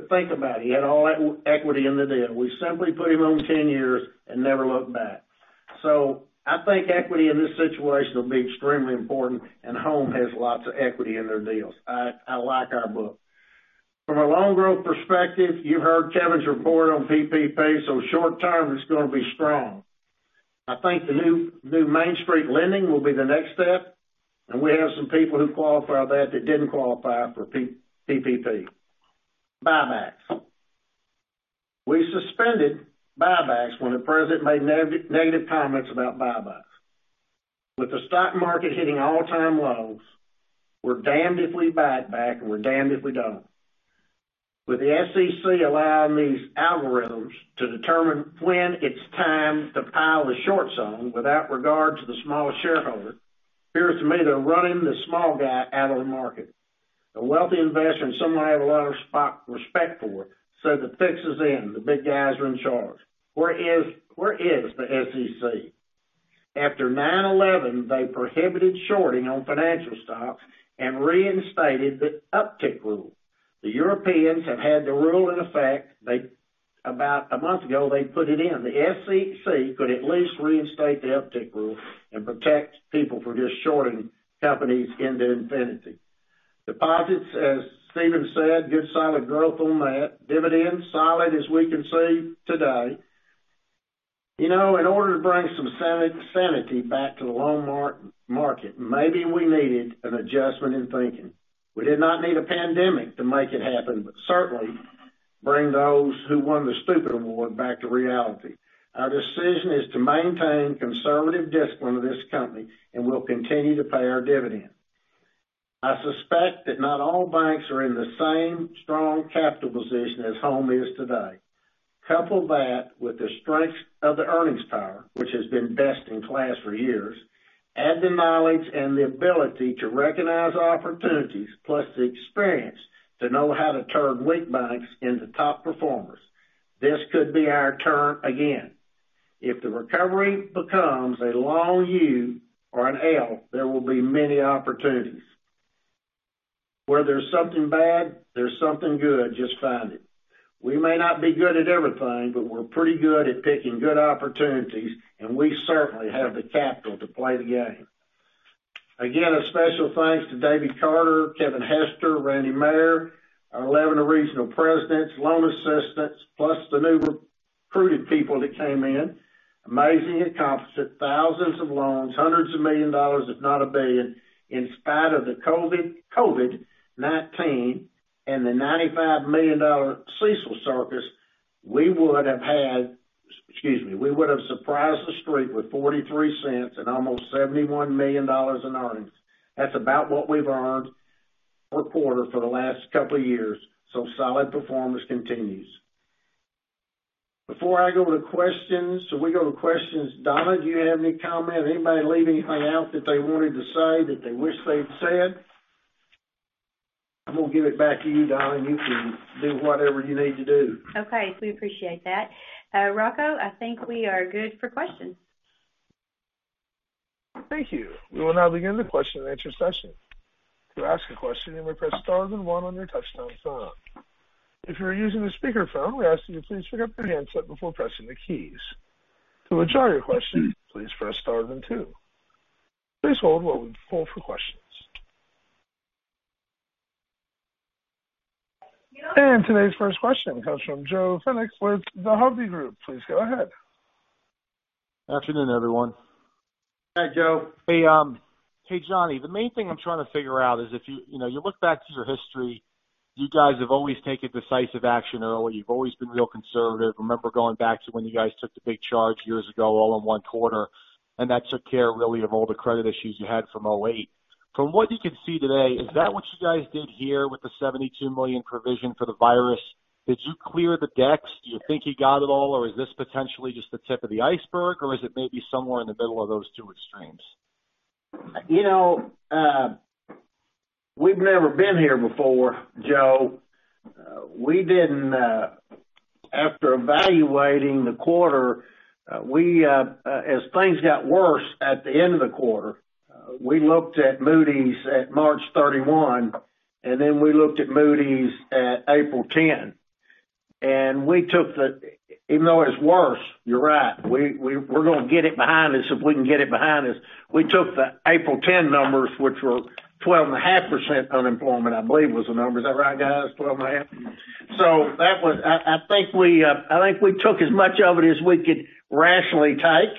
Think about it. He had all that equity in the deal. We simply put him on 10 years and never looked back. I think equity in this situation will be extremely important, and Home has lots of equity in their deals. I like our book. From a loan growth perspective, you heard Kevin's report on PPP, short term it's going to be strong. I think the new Main Street Lending will be the next step, and we have some people who qualify for that didn't qualify for PPP. Buybacks. We suspended buybacks when the president made negative comments about buybacks. With the stock market hitting all-time lows, we're damned if we buy it back, and we're damned if we don't. With the SEC allowing these algorithms to determine when it's time to pile the shorts on without regard to the smallest shareholder, appears to me they're running the small guy out of the market. A wealthy investor and someone I have a lot of respect for said the fix is in. The big guys are in charge. Where is the SEC? After 9/11, they prohibited shorting on financial stocks and reinstated the uptick rule. The Europeans have had the rule in effect. About a month ago, they put it in. The SEC could at least reinstate the uptick rule and protect people from just shorting companies into infinity. Deposits, as Stephen said, good solid growth on that. Dividends, solid as we conceive today. In order to bring some sanity back to the loan market, maybe we needed an adjustment in thinking. We did not need a pandemic to make it happen, but certainly bring those who won the stupid award back to reality. Our decision is to maintain conservative discipline of this company, and we'll continue to pay our dividend. I suspect that not all banks are in the same strong capital position as Home is today. Couple that with the strength of the earnings power, which has been best in class for years, add the knowledge and the ability to recognize opportunities, plus the experience to know how to turn weak banks into top performers. This could be our turn again. If the recovery becomes a long U or an L, there will be many opportunities. Where there's something bad, there's something good, just find it. We may not be good at everything, but we're pretty good at picking good opportunities, and we certainly have the capital to play the game. Again, a special thanks to Davy Carter, Kevin Hester, Randy Mayor, our 11 regional presidents, loan assistants, plus the new recruited people that came in. Amazing accomplishment, thousands of loans, hundreds of million dollars, if not a billion. In spite of the COVID-19 and the $95 million CECL circus, we would have had-- Excuse me. We would have surprised the Street with $0.43 and almost $71 million in earnings. That's about what we've earned per quarter for the last couple of years, solid performance continues. Before I go to questions, so we go to questions. Donna, do you have any comment? Anybody leave anything out that they wanted to say that they wish they'd said? I'm going to give it back to you, Donna. You can do whatever you need to do. Okay. We appreciate that. Rocco, I think we are good for questions. Thank you. We will now begin the question-and-answer session. To ask a question, you may press star then one on your touchtone phone. If you're using a speakerphone, we ask that you please pick up your handset before pressing the keys. To withdraw your question, please press star then two. Please hold while we pull for questions. Today's first question comes from Joe Fenech with Hovde Group. Please go ahead. Afternoon, everyone. Hi, Joe. Hey, Johnny. The main thing I'm trying to figure out is if you look back through your history, you guys have always taken decisive action early. You've always been real conservative. Remember going back to when you guys took the big charge years ago all in one quarter, and that took care really of all the credit issues you had from 2008. From what you can see today, is that what you guys did here with the $72 million provision for the virus? Did you clear the decks? Do you think you got it all, or is this potentially just the tip of the iceberg, or is it maybe somewhere in the middle of those two extremes? We've never been here before, Joe. After evaluating the quarter, as things got worse at the end of the quarter, we looked at Moody's at March 31, and then we looked at Moody's at April 10. Even though it's worse, you're right. We're going to get it behind us if we can get it behind us. We took the April 10 numbers, which were 12.5% unemployment, I believe was the number. Is that right, guys? 12.5%? I think we took as much of it as we could rationally take,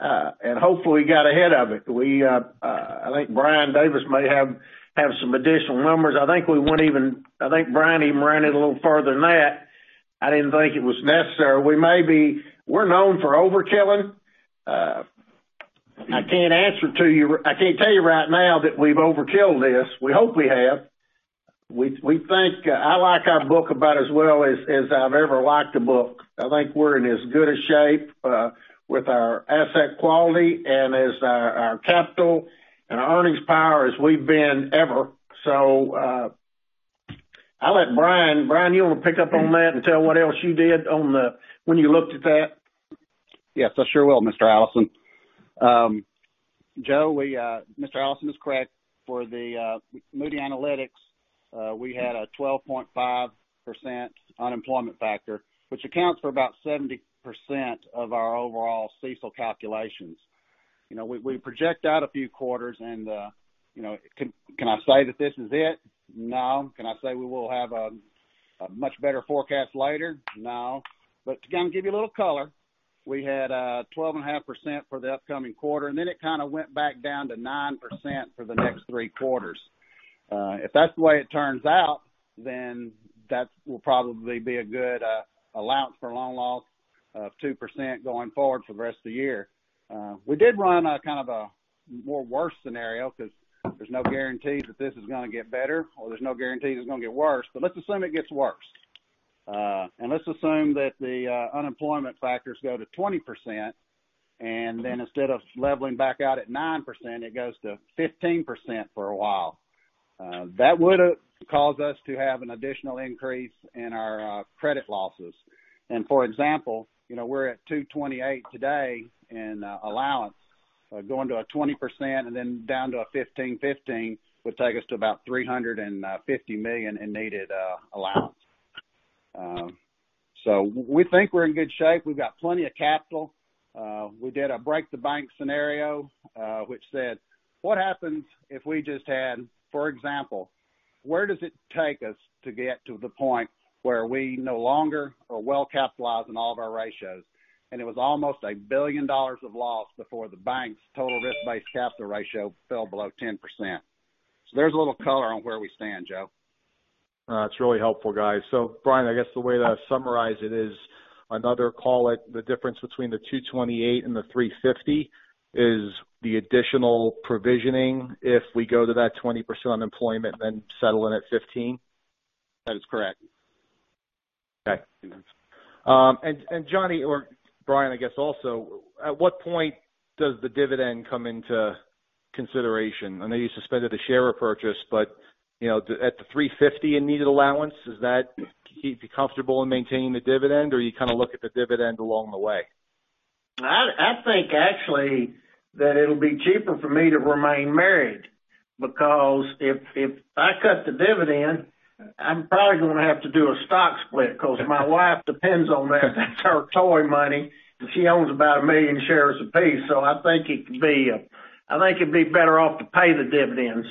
and hopefully got ahead of it. I think Brian Davis may have some additional numbers. I think Brian even ran it a little further than that. I didn't think it was necessary. We're known for overkilling. I can't tell you right now that we've overkill this. We hope we have. I like our book about as well as I've ever liked a book. I think we're in as good a shape, with our asset quality and as our capital and our earnings power as we've been ever. I'll let Brian. Brian, you want to pick up on that and tell what else you did when you looked at that? Yes, I sure will, Mr. Allison. Joe, Mr. Allison is correct. For the Moody's Analytics, we had a 12.5% unemployment factor, which accounts for about 70% of our overall CECL calculations. We project out a few quarters and can I say that this is it? No. Can I say we will have a much better forecast later? No. Again, to give you a little color, we had 12.5% for the upcoming quarter, and then it kind of went back down to 9% for the next three quarters. If that's the way it turns out, that will probably be a good allowance for loan loss of 2% going forward for the rest of the year. We did run a kind of a more worse scenario because there's no guarantee that this is going to get better, or there's no guarantee it's going to get worse. Let's assume it gets worse. Let's assume that the unemployment factors go to 20%, and then instead of leveling back out at 9%, it goes to 15% for a while. That would've caused us to have an additional increase in our credit losses. For example, we're at $228 today in allowance, going to a 20% and then down to a 15.15% would take us to about $350 million in needed allowance. We think we're in good shape. We've got plenty of capital. We did a break the bank scenario, which said, what happens if we just had, for example, where does it take us to get to the point where we no longer are well-capitalized in all of our ratios? It was almost $1 billion of loss before the bank's total risk-based capital ratio fell below 10%. There's a little color on where we stand, Joe. That's really helpful, guys. Brian, I guess the way that I summarize it is another call it the difference between the $228 and the $350 is the additional provisioning if we go to that 20% unemployment then settle in at 15%? That is correct. Okay. Johnny, or Brian, I guess also, at what point does the dividend come into consideration? I know you suspended the share purchase. At the $350 in needed allowance, does that keep you comfortable in maintaining the dividend, or you kind of look at the dividend along the way? I think actually that it'll be cheaper for me to remain married because if I cut the dividend, I'm probably going to have to do a stock split because my wife depends on that. That's her toy money, and she owns about 1 million shares a piece. I think it'd be better off to pay the dividend.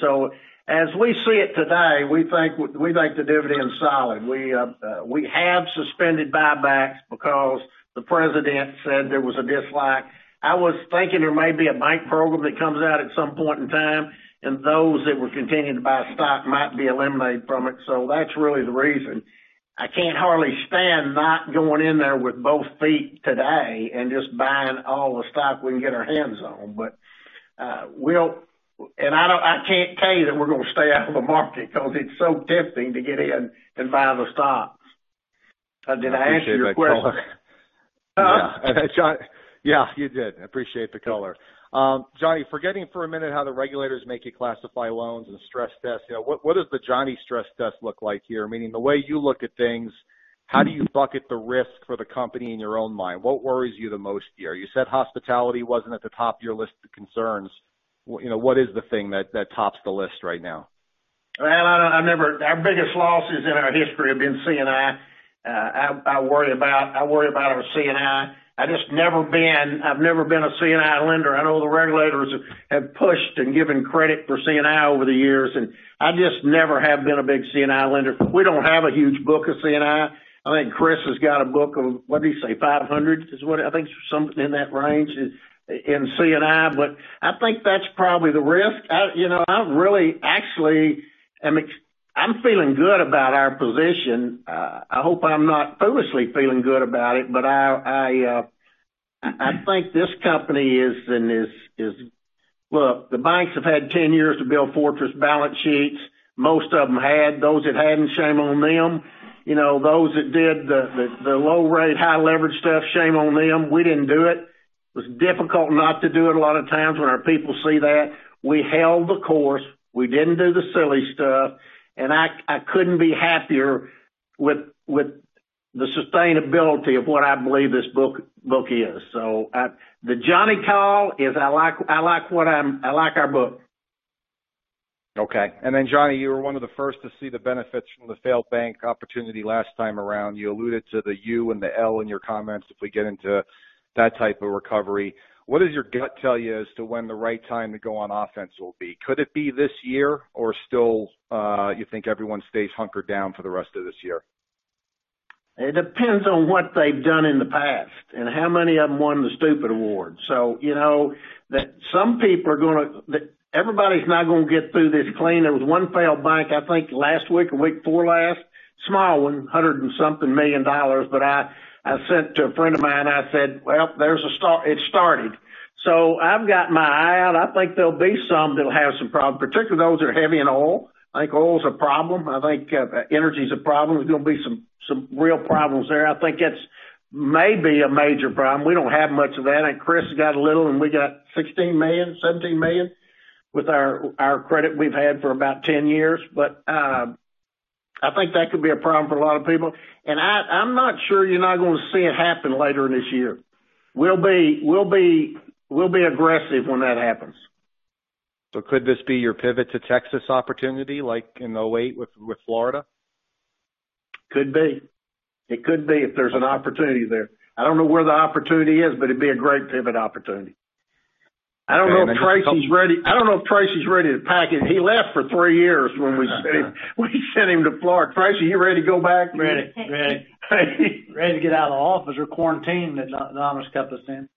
As we see it today, we think the dividend's solid. We have suspended buybacks because the President said there was a dislike. I was thinking there may be a bank program that comes out at some point in time, and those that would continue to buy stock might be eliminated from it. That's really the reason. I can't hardly stand not going in there with both feet today and just buying all the stock we can get our hands on. I can't tell you that we're going to stay out of the market because it's so tempting to get in and buy the stocks. Did I answer your question? I appreciate that color. Yeah. You did. I appreciate the color. John, forgetting for a minute how the regulators make you classify loans and stress tests, what does the John stress test look like here? Meaning, the way you look at things, how do you bucket the risk for the company in your own mind? What worries you the most here? You said hospitality wasn't at the top of your list of concerns. What is the thing that tops the list right now? Our biggest losses in our history have been C&I. I worry about our C&I. I've never been a C&I lender. I know the regulators have pushed and given credit for C&I over the years. I just never have been a big C&I lender. We don't have a huge book of C&I. I think Chris has got a book of, what did he say, 500? I think something in that range in C&I. I think that's probably the risk. I'm feeling good about our position. I hope I'm not foolishly feeling good about it. I think this company. The banks have had 10 years to build fortress balance sheets. Most of them had. Those that hadn't, shame on them. Those that did the low rate, high leverage stuff, shame on them. We didn't do it. It was difficult not to do it a lot of times when our people see that. We held the course. We didn't do the silly stuff. I couldn't be happier with the sustainability of what I believe this book is. The John call is, I like our book. Okay. Johnny, you were one of the first to see the benefits from the failed bank opportunity last time around. You alluded to the U and the L in your comments if we get into that type of recovery. What does your gut tell you as to when the right time to go on offense will be? Could it be this year, or still you think everyone stays hunkered down for the rest of this year? It depends on what they've done in the past and how many of them won the stupid award. Everybody's not going to get through this clean. There was one failed bank, I think, last week or week before last. Small one, $100 and something million, I sent to a friend of mine, I said, "Well, it's started." I've got my eye out. I think there'll be some that'll have some problems, particularly those that are heavy in oil. I think oil's a problem. I think energy's a problem. There's going to be some real problems there. I think that's maybe a major problem. We don't have much of that. I think Chris has got a little, and we got $16 million, $17 million? With our credit we've had for about 10 years. I think that could be a problem for a lot of people, and I'm not sure you're not going to see it happen later in this year. We'll be aggressive when that happens. Could this be your pivot to Texas opportunity like in 2008 with Florida? Could be. It could be if there's an opportunity there. I don't know where the opportunity is, but it'd be a great pivot opportunity. I don't know if Tracy's ready to pack it. He left for three years when we sent him to Florida. Tracy, are you ready to go back? Ready. Tracy. Ready to get out of the office or quarantine that John has kept us in.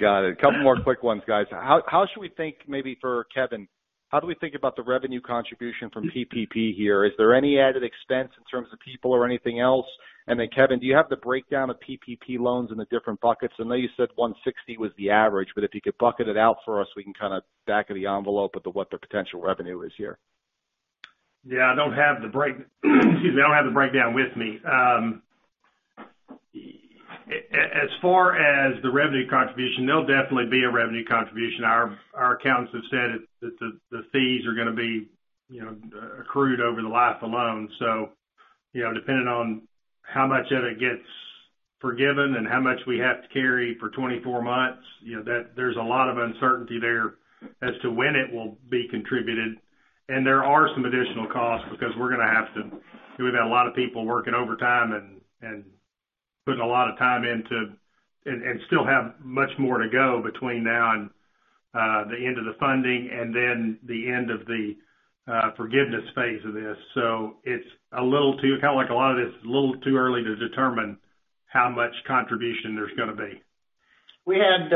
Got it. Couple more quick ones, guys. How should we think, maybe for Kevin, how do we think about the revenue contribution from PPP here? Is there any added expense in terms of people or anything else? Kevin, do you have the breakdown of PPP loans in the different buckets? I know you said $160 was the average, but if you could bucket it out for us, we can kind of back of the envelope at the what the potential revenue is here. Yeah, excuse me, I don't have the breakdown with me. As far as the revenue contribution, there'll definitely be a revenue contribution. Our accountants have said it, that the fees are going to be accrued over the life of the loan. Depending on how much of it gets forgiven and how much we have to carry for 24 months, there's a lot of uncertainty there as to when it will be contributed. There are some additional costs because we've had a lot of people working overtime and putting a lot of time in and still have much more to go between now and the end of the funding and then the end of the forgiveness phase of this. It's a little too, kind of like a lot of this, a little too early to determine how much contribution there's going to be. We didn't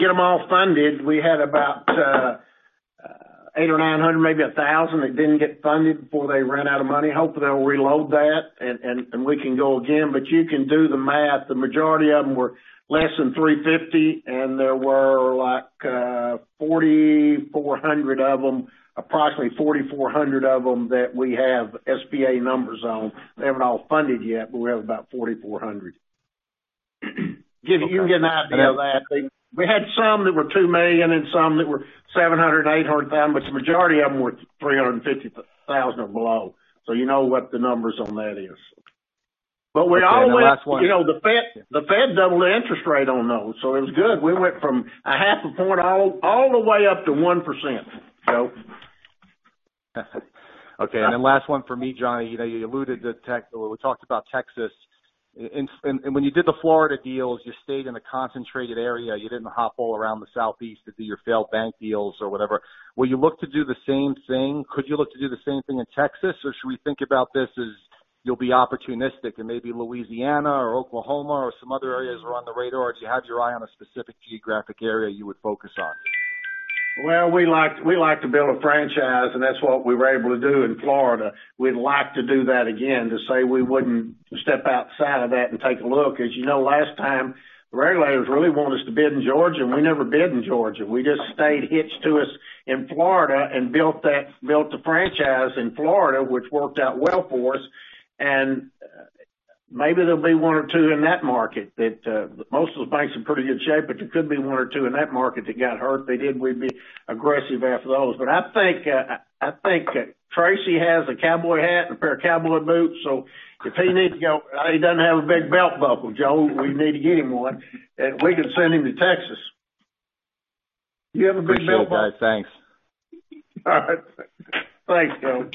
get them all funded. We had about $800 or $900, maybe $1,000 that didn't get funded before they ran out of money. Hopefully, they'll reload that and we can go again. You can do the math. The majority of them were less than $350, and there were like $4,400 of them, approximately $4,400 of them that we have SBA numbers on. They haven't all funded yet, but we have about $4,400. You can get an idea of that. We had some that were $2 million and some that were $700,000 and $800,000, but the majority of them were $350,000 or below. You know what the numbers on that is. Okay. The Fed doubled the interest rate on those, so it was good. We went from a half a point all the way up to 1%, Joe. Okay, last one for me, Johnny. We talked about Texas. When you did the Florida deals, you stayed in a concentrated area. You didn't hop all around the southeast to do your failed bank deals or whatever. Will you look to do the same thing? Could you look to do the same thing in Texas? Should we think about this as you'll be opportunistic in maybe Louisiana or Oklahoma or some other areas are on the radar? Do you have your eye on a specific geographic area you would focus on? Well, we like to build a franchise, and that's what we were able to do in Florida. We'd like to do that again. To say we wouldn't step outside of that and take a look is, you know, last time the regulators really wanted us to bid in Georgia, and we never bid in Georgia. We just stayed hitched to us in Florida and built the franchise in Florida, which worked out well for us. Maybe there'll be one or two in that market that, most of the banks in pretty good shape, but there could be one or two in that market that got hurt. They did. We'd be aggressive after those. I think Tracy has a cowboy hat and a pair of cowboy boots, so if he needs to go He doesn't have a big belt buckle, Joe. We need to get him one, and we can send him to Texas. Do you have a big belt buckle? Appreciate it, guys. Thanks. All right. Thanks, Joe.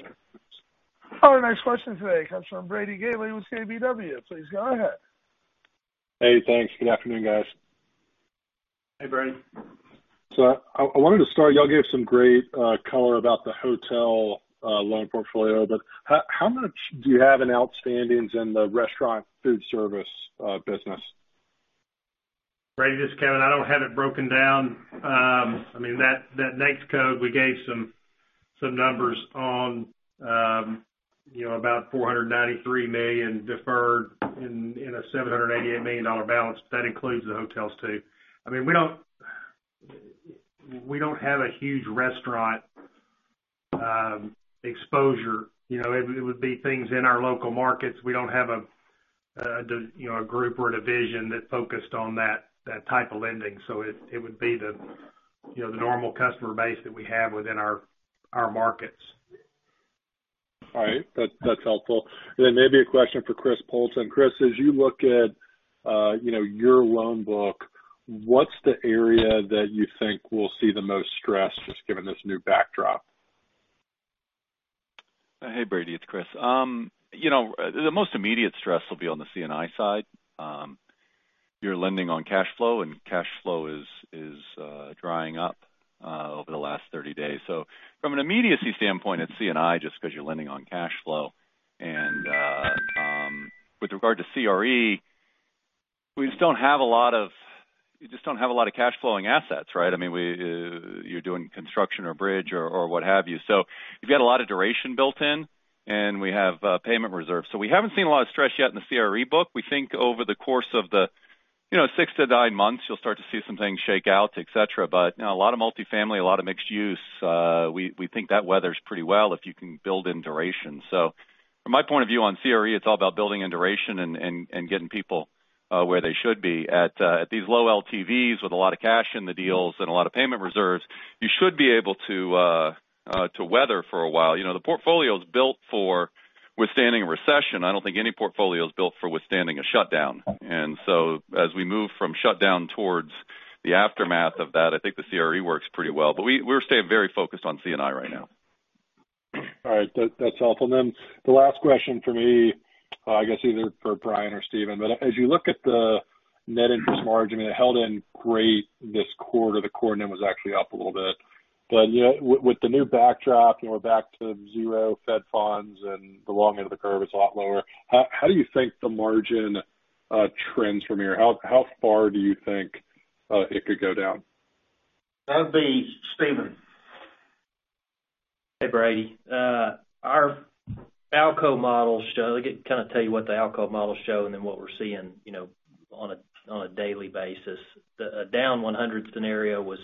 Our next question today comes from Brady Gailey with KBW. Please go ahead. Hey, thanks. Good afternoon, guys. Hey, Brady. I wanted to start, y'all gave some great color about the hotel loan portfolio, but how much do you have in outstandings in the restaurant food service business? Brady, this is Kevin. I don't have it broken down. That NAICS code, we gave some numbers on about $493 million deferred in a $788 million balance. That includes the hotels too. We don't have a huge restaurant exposure. It would be things in our local markets. We don't have a group or a division that focused on that type of lending. It would be the normal customer base that we have within our markets. All right. That's helpful. Maybe a question for Chris Poulton. Chris, as you look at your loan book, what's the area that you think will see the most stress just given this new backdrop? Hey, Brady, it's Chris. The most immediate stress will be on the C&I side. You're lending on cash flow, and cash flow is drying up over the last 30 days. From an immediacy standpoint, it's C&I just because you're lending on cash flow. With regard to CRE, we just don't have a lot of cash flowing assets, right? You're doing construction or bridge or what have you. You've got a lot of duration built in, and we have payment reserves. We haven't seen a lot of stress yet in the CRE book. We think over the course of the six to nine months, you'll start to see some things shake out, etc. A lot of multifamily, a lot of mixed use, we think that weathers pretty well if you can build in duration. From my point of view on CRE, it's all about building in duration and getting people where they should be. At these low LTVs with a lot of cash in the deals and a lot of payment reserves, you should be able to weather for a while. The portfolio is built for withstanding a recession. I don't think any portfolio is built for withstanding a shutdown. As we move from shutdown towards the aftermath of that, I think the CRE works pretty well. We're staying very focused on C&I right now. All right. That's helpful. The last question for me, I guess either for Brian or Stephen, but as you look at the net interest margin, it held in great this quarter. The core net was actually up a little bit. With the new backdrop, we're back to zero Fed funds and the long end of the curve is a lot lower. How do you think the margin trends from here? How far do you think it could go down? That would be Stephen. Hey, Brady. Our ALCO model, I'll kind of tell you what the ALCO model show, then what we're seeing on a daily basis. The down 100 scenario was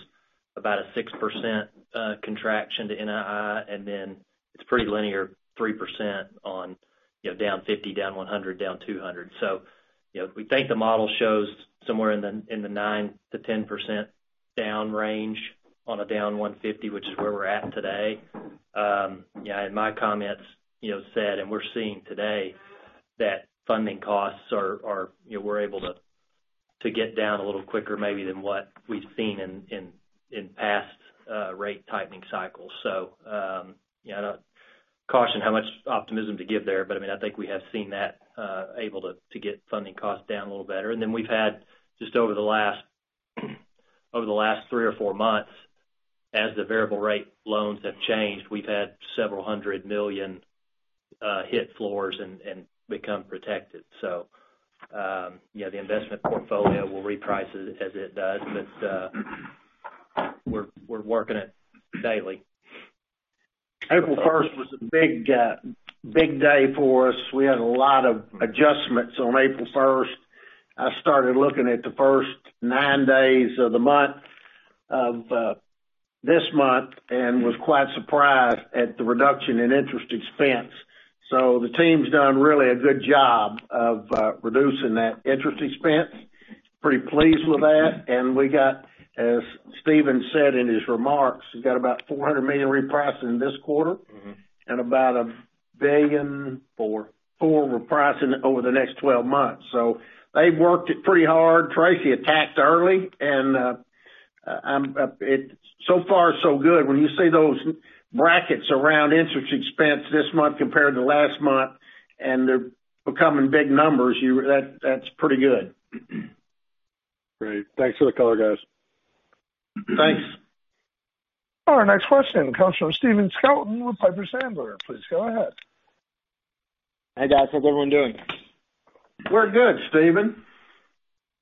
about a 6% contraction to NII, then it's pretty linear, 3% on down 50 basis points, down 100 basis points, down 200 basis points. We think the model shows somewhere in the 9%-10% down range on a down 150 basis points, which is where we're at today. In my comments said, and we're seeing today, that funding costs, we're able to get down a little quicker maybe than what we've seen in past rate tightening cycles. I caution how much optimism to give there. I think we have seen that able to get funding costs down a little better. We've had just over the last three or four months, as the variable rate loans have changed, we've had several 100 million hit floors and become protected. The investment portfolio will reprice as it does, but we're working it daily. April 1st was a big day for us. We had a lot of adjustments on April 1st. I started looking at the first nine days of the month, of this month, was quite surprised at the reduction in interest expense. The team's done really a good job of reducing that interest expense. Pretty pleased with that. We got, as Stephen said in his remarks, we've got about $400 million repricing this quarter about $1 billion- point 4. ...$1.4 billion Repricing over the next 12 months. They've worked it pretty hard. Tracy attacked early, and so far so good. When you see those brackets around interest expense this month compared to last month, and they're becoming big numbers, that's pretty good. Great. Thanks for the color, guys. Thanks. Our next question comes from Stephen Scouten with Piper Sandler. Please go ahead. Hi, guys. How's everyone doing? We're good, Stephen.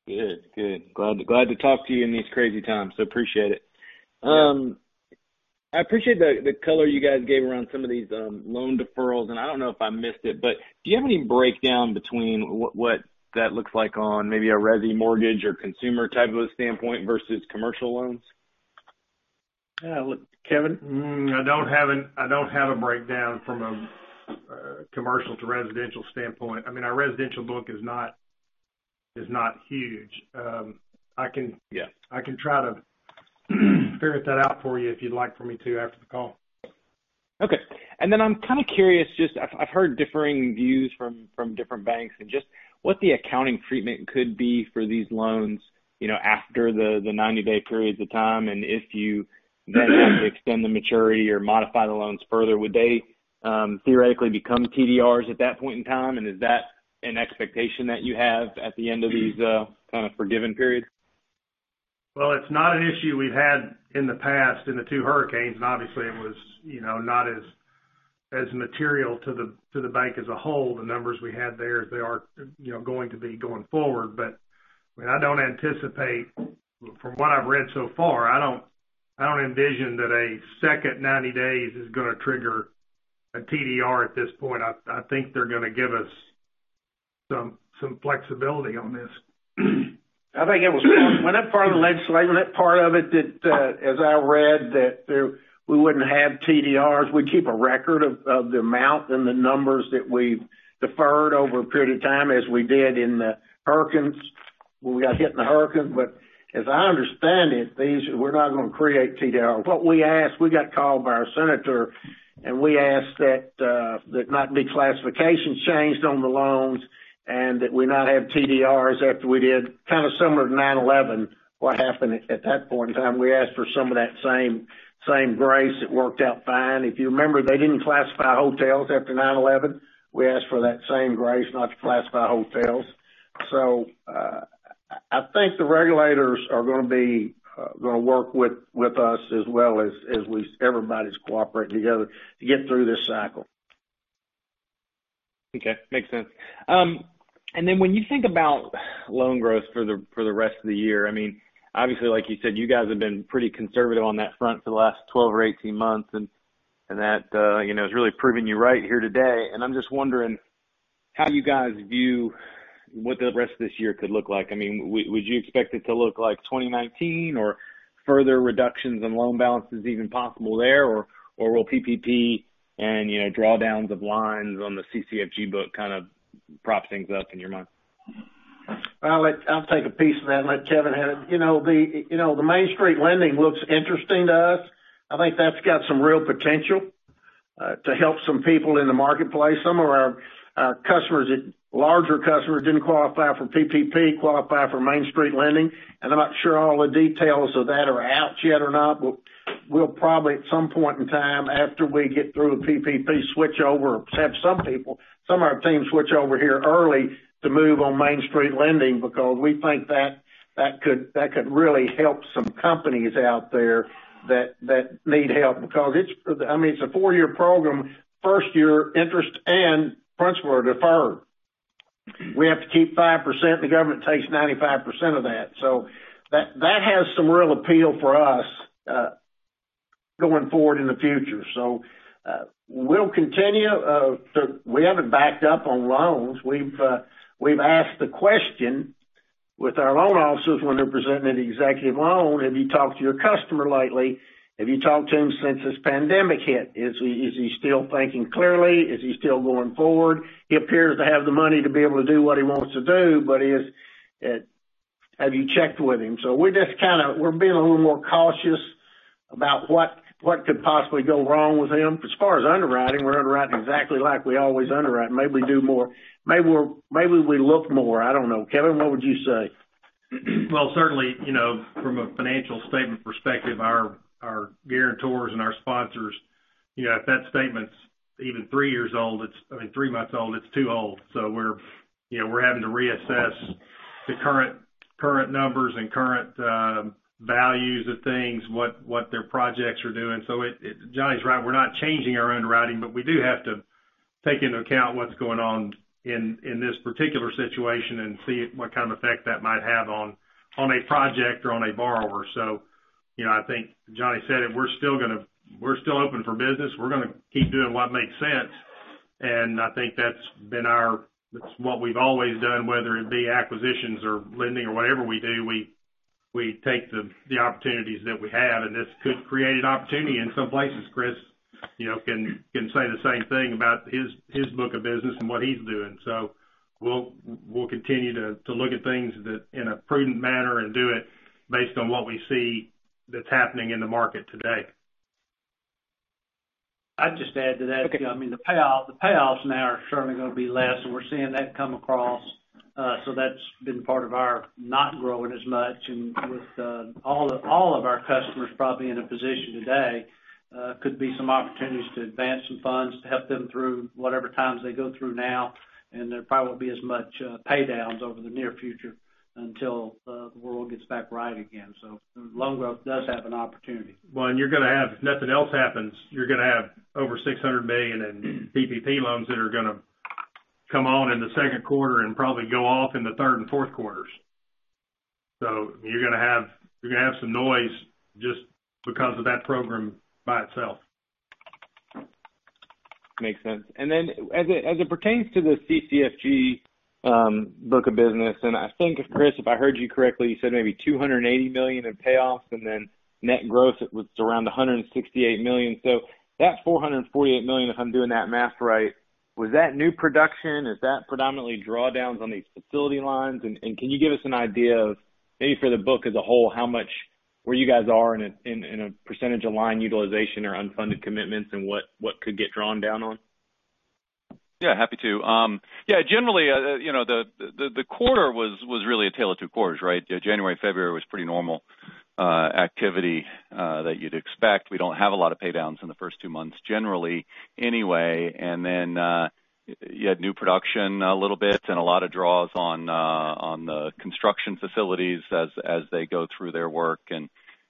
Good. Glad to talk to you in these crazy times. Appreciate it. Yeah. I appreciate the color you guys gave around some of these loan deferrals, and I don't know if I missed it, but do you have any breakdown between what that looks like on maybe a resi mortgage or consumer type of a standpoint versus commercial loans? Kevin? I don't have a breakdown from a commercial to residential standpoint. Our residential book is not huge. Yeah. I can try to figure that out for you if you'd like for me to after the call. Okay. I'm kind of curious, just I've heard differing views from different banks and just what the accounting treatment could be for these loans after the 90-day periods of time. If you then have to extend the maturity or modify the loans further, would they theoretically become TDRs at that point in time? Is that an expectation that you have at the end of these kind of forgiven periods? Well, it's not an issue we've had in the past in the two hurricanes, and obviously it was not as material to the bank as a whole, the numbers we had there as they are going to be going forward. I don't anticipate, from what I've read so far, I don't envision that a second 90 days is going to trigger a TDR at this point. I think they're going to give us some flexibility on this. Wasn't it part of the legislation, wasn't that part of it that, as I read that we wouldn't have TDRs? We keep a record of the amount and the numbers that we've deferred over a period of time, as we did in the hurricanes, when we got hit in the hurricane. As I understand it, we're not going to create TDRs. What we asked, we got called by our senator, and we asked that there not be classifications changed on the loans, and that we not have TDRs after we did kind of similar to 9/11, what happened at that point in time. We asked for some of that same grace. It worked out fine. If you remember, they didn't classify hotels after 9/11. We asked for that same grace, not to classify hotels. I think the regulators are going to work with us as well as everybody's cooperating together to get through this cycle. Okay. Makes sense. When you think about loan growth for the rest of the year, obviously, like you said, you guys have been pretty conservative on that front for the last 12 or 18 months, and that has really proven you right here today. I'm just wondering how you guys view what the rest of this year could look like. Would you expect it to look like 2019 or further reductions in loan balance is even possible there, or will PPP and drawdowns of lines on the CCFG book kind of prop things up in your mind? Well, I'll take a piece of that and let Kevin have it. The Main Street Lending Program looks interesting to us. I think that's got some real potential, to help some people in the marketplace. Some of our larger customers didn't qualify for PPP, qualify for Main Street Lending Program, and I'm not sure all the details of that are out yet or not. We'll probably, at some point in time after we get through the PPP switchover, have some people, some of our teams switch over here early to move on Main Street Lending Program, because we think that could really help some companies out there that need help. It's a four-year program. First year interest and principal are deferred. We have to keep 5%, the government takes 95% of that. That has some real appeal for us, going forward in the future. We'll continue. We haven't backed up on loans. We've asked the question with our loan officers when they're presenting an executive loan, "Have you talked to your customer lately? Have you talked to him since this pandemic hit? Is he still thinking clearly? Is he still going forward? He appears to have the money to be able to do what he wants to do, but have you checked with him?" We're being a little more cautious about what could possibly go wrong with him. As far as underwriting, we're underwriting exactly like we always underwrite. Maybe we look more, I don't know. Kevin, what would you say? Certainly, from a financial statement perspective, our guarantors and our sponsors, if that statement's even three months old, it's too old. We're having to reassess the current numbers and current values of things, what their projects are doing. Johnny's right, we're not changing our underwriting, but we do have to take into account what's going on in this particular situation and see what kind of effect that might have on a project or on a borrower. I think Johnny said it, we're still open for business. We're going to keep doing what makes sense. I think that's what we've always done, whether it be acquisitions or lending or whatever we do, we take the opportunities that we have. This could create an opportunity in some places. Chris can say the same thing about his book of business and what he's doing. We'll continue to look at things in a prudent manner and do it based on what we see that's happening in the market today. I'd just add to that. Okay. The payoffs now are certainly going to be less, and we're seeing that come across. That's been part of our not growing as much. With all of our customers probably in a position today, could be some opportunities to advance some funds to help them through whatever times they go through now, and there probably won't be as much paydowns over the near future until the world gets back right again. Loan growth does have an opportunity. If nothing else happens, you're going to have over $600 million in PPP loans that are going to come on in the second quarter and probably go off in the third and fourth quarters. You're going to have some noise just because of that program by itself. Makes sense. As it pertains to the CCFG book of business, and I think, Chris, if I heard you correctly, you said maybe $280 million in payoffs, and then net growth was around $168 million. That $448 million, if I'm doing that math right, was that new production? Is that predominantly drawdowns on these facility lines? Can you give us an idea of maybe for the book as a whole, where you guys are in a percentage of line utilization or unfunded commitments and what could get drawn down on? Yeah, happy to. Yeah, generally, the quarter was really a tale of two quarters, right? January, February was pretty normal activity that you'd expect. We don't have a lot of pay downs in the first two months generally anyway, and then you had new production a little bit and a lot of draws on the construction facilities as they go through their work.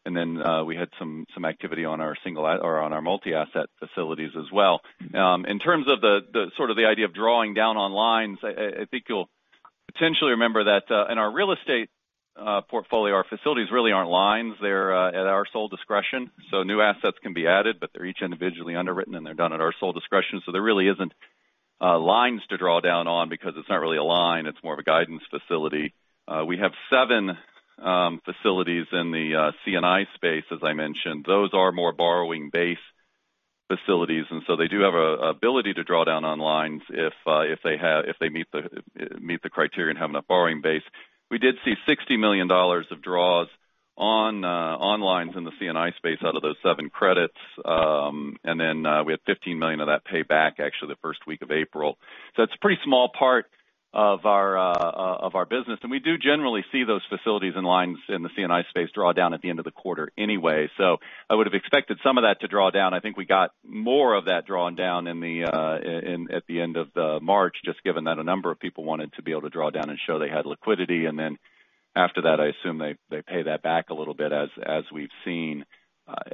Then we had some activity on our multi-asset facilities as well. In terms of the sort of the idea of drawing down on lines, I think you'll potentially remember that in our real estate portfolio, our facilities really aren't lines. They're at our sole discretion. New assets can be added, but they're each individually underwritten, and they're done at our sole discretion. There really isn't lines to draw down on because it's not really a line, it's more of a guidance facility. We have seven facilities in the C&I space, as I mentioned. Those are more borrowing base facilities. They do have an ability to draw down on lines if they meet the criteria and have enough borrowing base. We did see $60 million of draws on lines in the C&I space out of those seven credits. We had $15 million of that paid back, actually, the first week of April. It's a pretty small part of our business. We do generally see those facilities and lines in the C&I space draw down at the end of the quarter anyway. I would've expected some of that to draw down. I think we got more of that drawn down at the end of March, just given that a number of people wanted to be able to draw down and show they had liquidity. After that, I assume they pay that back a little bit as we've seen.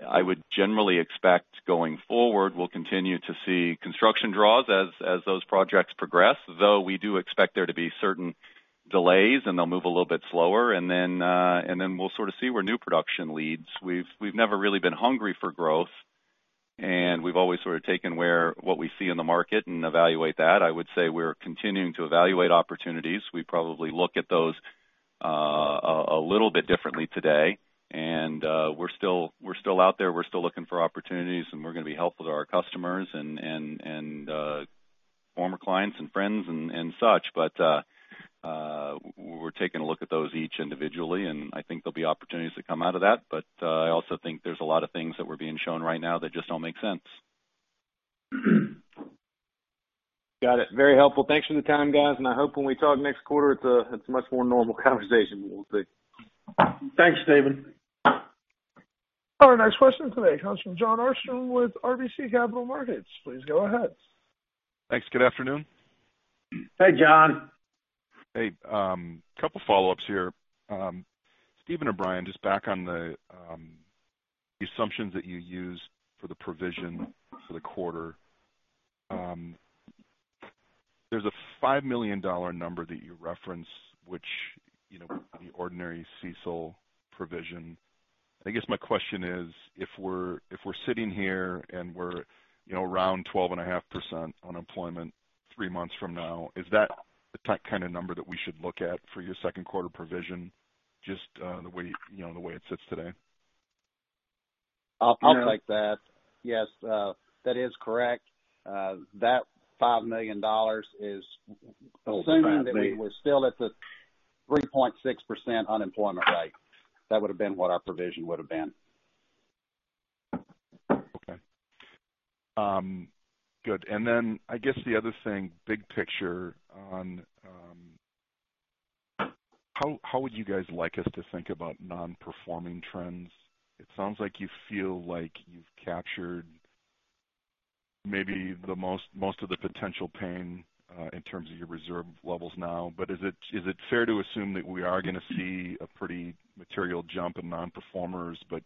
I would generally expect going forward, we'll continue to see construction draws as those projects progress, though we do expect there to be certain delays, and they'll move a little bit slower. We'll sort of see where new production leads. We've never really been hungry for growth. We've always sort of taken what we see in the market and evaluate that. I would say we're continuing to evaluate opportunities. We probably look at those a little bit differently today. We're still out there, we're still looking for opportunities, and we're going to be helpful to our customers and former clients and friends and such. We're taking a look at those each individually, and I think there'll be opportunities that come out of that I also think there's a lot of things that we're being shown right now that just don't make sense. Got it. Very helpful. Thanks for the time, guys, and I hope when we talk next quarter, it's a much more normal conversation. We'll see. Thanks, Stephen. Our next question today comes from Jon Arfstrom with RBC Capital Markets. Please go ahead. Thanks. Good afternoon. Hey, Jon. Hey, a couple follow-ups here. Stephen or Brian, just back on the assumptions that you used for the provision for the quarter. There's a $5 million number that you reference, which the ordinary CECL provision. I guess my question is, if we're sitting here and we're around 12.5% unemployment three months from now, is that the kind of number that we should look at for your second quarter provision, just the way it sits today? I'll take that. Yes. That is correct. That $5 million is. Assuming that- We're still at the 3.6% unemployment rate, that would've been what our provision would've been. Okay. Good. I guess the other thing, big picture on how would you guys like us to think about non-performing trends? It sounds like you feel like you've captured maybe most of the potential pain in terms of your reserve levels now. Is it fair to assume that we are going to see a pretty material jump in non-performers, but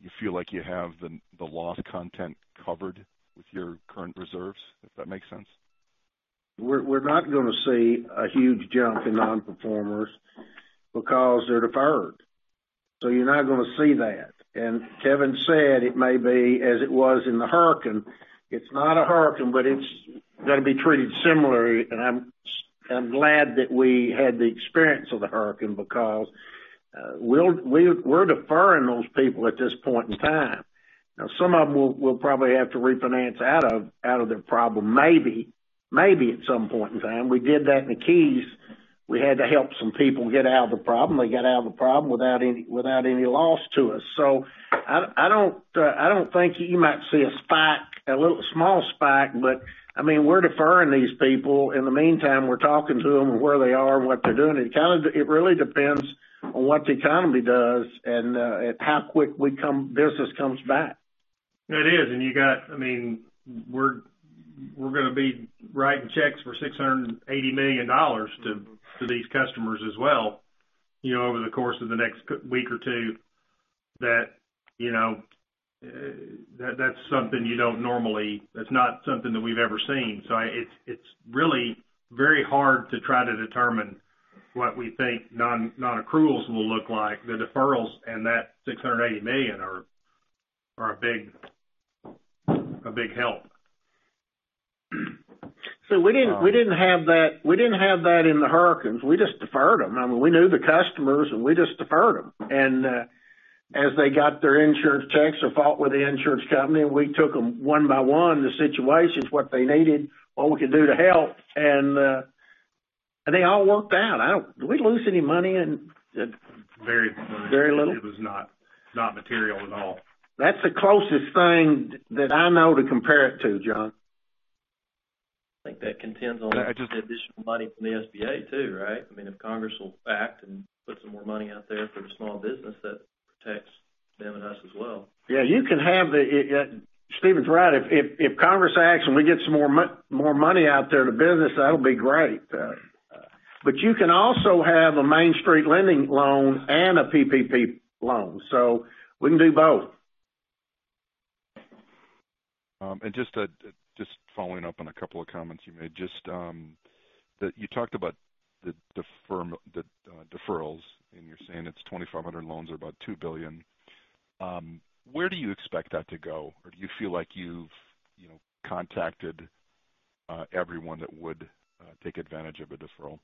you feel like you have the loss content covered with your current reserves? If that makes sense? We're not going to see a huge jump in non-performers because they're deferred. You're not going to see that. Kevin said it may be as it was in the hurricane. It's not a hurricane, it's going to be treated similarly. I'm glad that we had the experience of the hurricane because we're deferring those people at this point in time. Now, some of them we'll probably have to refinance out of their problem, maybe, at some point in time. We did that in the Keys. We had to help some people get out of the problem. They got out of the problem without any loss to us. You might see a spike, a little small spike, we're deferring these people. In the meantime, we're talking to them, where they are and what they're doing. It really depends on what the economy does and how quick business comes back. It is. We're going to be writing checks for $680 million to these customers as well over the course of the next week or two. That's not something that we've ever seen. It's really very hard to try to determine what we think non-accruals will look like. The deferrals and that $680 million are a big help. We didn't have that in the hurricanes. We just deferred them. We knew the customers, we just deferred them. As they got their insurance checks or fought with the insurance company, we took them one by one, the situations, what they needed, what we could do to help, they all worked out. Did we lose any money in? Very little. Very little. It was not material at all. That's the closest thing that I know to compare it to, Jon. I think that contends on. I just- the additional money from the SBA too, right? If Congress will act and put some more money out there for the small business, that protects them and us as well. Yeah, Stephen's right. If Congress acts and we get some more money out there to business, that'll be great. You can also have a Main Street Lending Program loan and a PPP loan. We can do both. Just following up on a couple of comments you made. Just that you talked about the deferrals, and you're saying it's 2,500 loans or about $2 billion. Where do you expect that to go? Do you feel like you've contacted everyone that would take advantage of a deferral?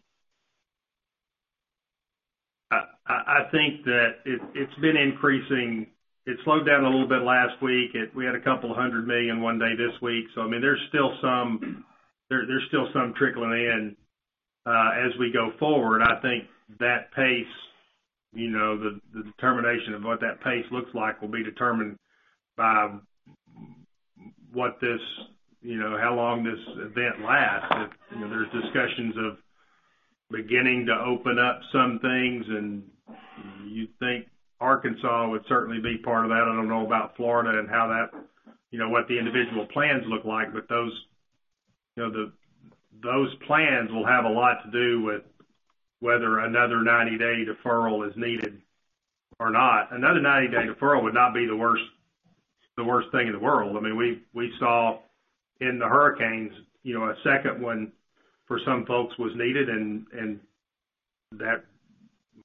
I think that it's been increasing. It slowed down a little bit last week. We had $200 million one day this week. There's still some trickling in. As we go forward, I think the determination of what that pace looks like will be determined by how long this event lasts. There's discussions of beginning to open up some things, you think Arkansas would certainly be part of that. I don't know about Florida what the individual plans look like. Those plans will have a lot to do with whether another 90-day deferral is needed or not. Another 90-day deferral would not be the worst thing in the world. We saw in the hurricanes, a second one for some folks was needed. That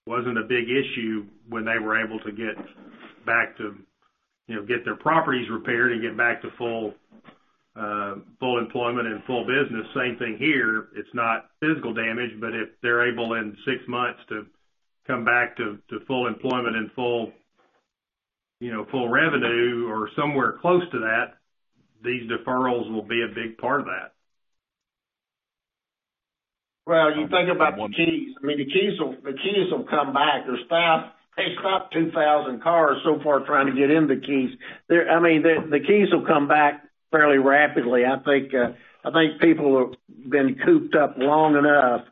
wasn't a big issue when they were able to get their properties repaired and get back to full employment and full business. Same thing here. It's not physical damage, but if they're able, in six months, to come back to full employment and full revenue or somewhere close to that, these deferrals will be a big part of that. Well, you think about the Keys. The Keys will come back. They stopped 2,000 cars so far trying to get in the Keys. The Keys will come back fairly rapidly. I think people have been cooped up long enough.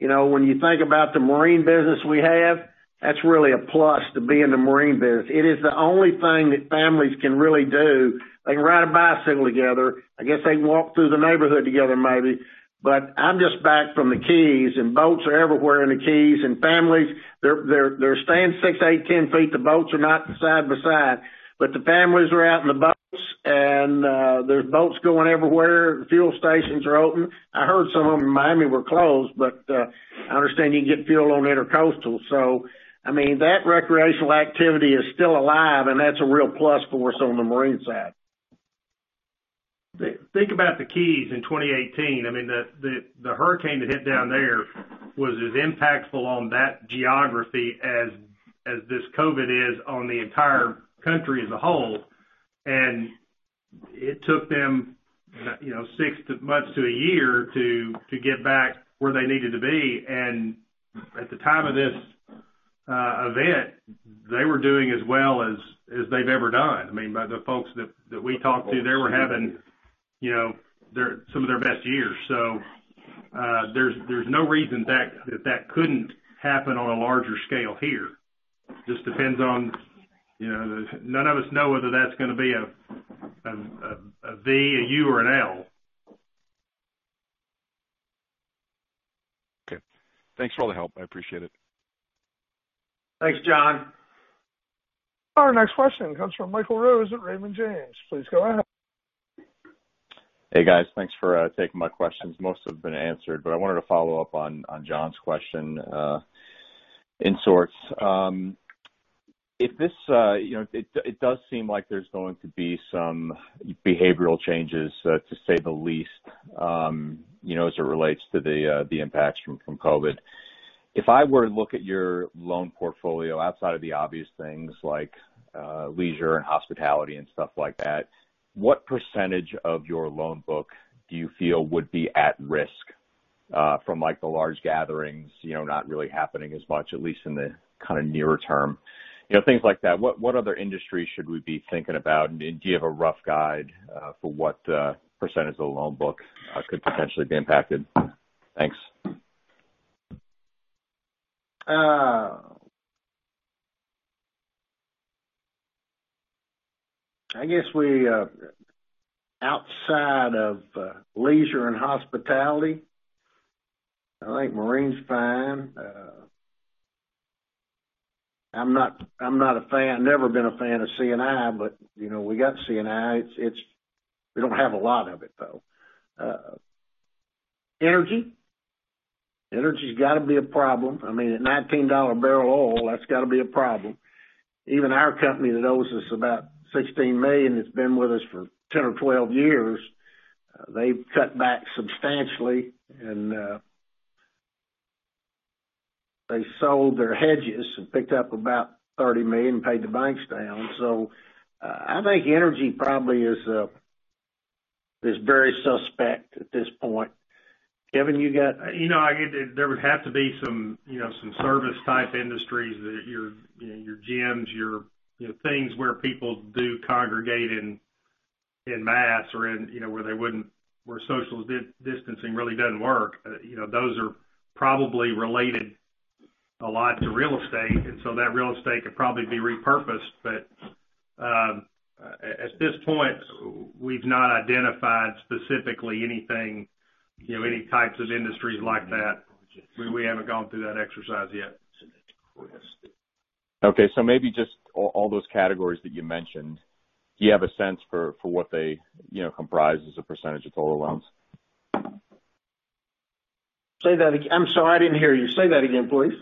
When you think about the marine business we have, that's really a plus to be in the marine business. It is the only thing that families can really do. They can ride a bicycle together. I guess they can walk through the neighborhood together maybe. I'm just back from the Keys, and boats are everywhere in the Keys. Families, they're staying 6 ft, 8 ft, 10 ft. The boats are not side by side. The families are out in the boats, and there's boats going everywhere. Fuel stations are open. I heard some of them in Miami were closed, but I understand you can get fuel on the Intracoastal. That recreational activity is still alive, and that's a real plus for us on the marine side. Think about the Keys in 2018. The hurricane that hit down there was as impactful on that geography as this COVID is on the entire country as a whole. It took them six months to a year to get back where they needed to be. At the time of this event, they were doing as well as they've ever done. The folks that we talked to, they were having some of their best years. There's no reason that couldn't happen on a larger scale here. None of us know whether that's going to be a V, a U, or an L. Okay. Thanks for all the help. I appreciate it. Thanks, Jon. Our next question comes from Michael Rose at Raymond James. Please go ahead. Hey, guys. Thanks for taking my questions. Most have been answered, but I wanted to follow up on Jon's question in sorts. It does seem like there's going to be some behavioral changes, to say the least, as it relates to the impacts from COVID. If I were to look at your loan portfolio, outside of the obvious things like leisure and hospitality and stuff like that, what percentage of your loan book do you feel would be at risk from the large gatherings not really happening as much, at least in the nearer term, things like that. What other industries should we be thinking about? Do you have a rough guide for what percentage of the loan book could potentially be impacted? Thanks. I guess outside of leisure and hospitality, I think marine's fine. I've never been a fan of C&I, but we got C&I. We don't have a lot of it, though. Energy? Energy's got to be a problem. At $19 a barrel oil, that's got to be a problem. Even our company that owes us about $16 million, that's been with us for 10 or 12 years, they've cut back substantially, and they sold their hedges and picked up about $30 million, paid the banks down. I think energy probably is very suspect at this point. Kevin, you got? There would have to be some service type industries, your gyms, things where people do congregate in mass or where social distancing really doesn't work. Those are probably related a lot to real estate, and so that real estate could probably be repurposed. At this point, we've not identified specifically any types of industries like that. We haven't gone through that exercise yet. Okay, maybe just all those categories that you mentioned, do you have a sense for what they comprise as a percentage of total loans? I'm sorry, I didn't hear you. Say that again, please.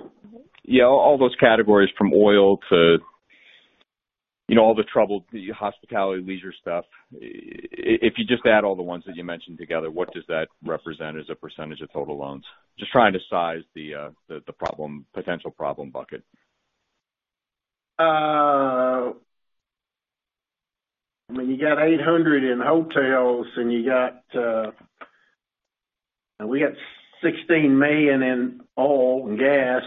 Yeah, all those categories from oil to all the troubled hospitality, leisure stuff. If you just add all the ones that you mentioned together, what does that represent as a percentage of total loans? Just trying to size the potential problem bucket. You got $800 in hotels, and we got $16 million in oil and gas.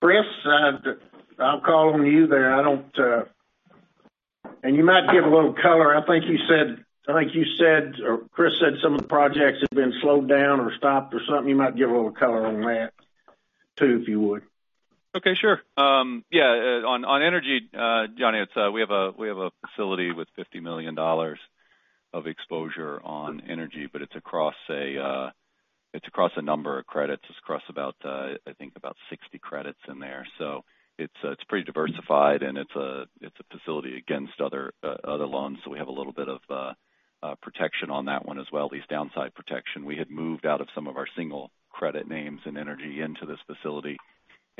Chris, I'll call on you there. You might give a little color. I think you said, or Chris said some of the projects have been slowed down or stopped or something. You might give a little color on that too, if you would. Okay, sure. On energy, Johnny, we have a facility with $50 million of exposure on energy. It's across a number of credits. It's across about, I think 60 credits in there. It's pretty diversified, and it's a facility against other loans, so we have a little bit of protection on that one as well, at least downside protection. We had moved out of some of our single credit names in energy into this facility.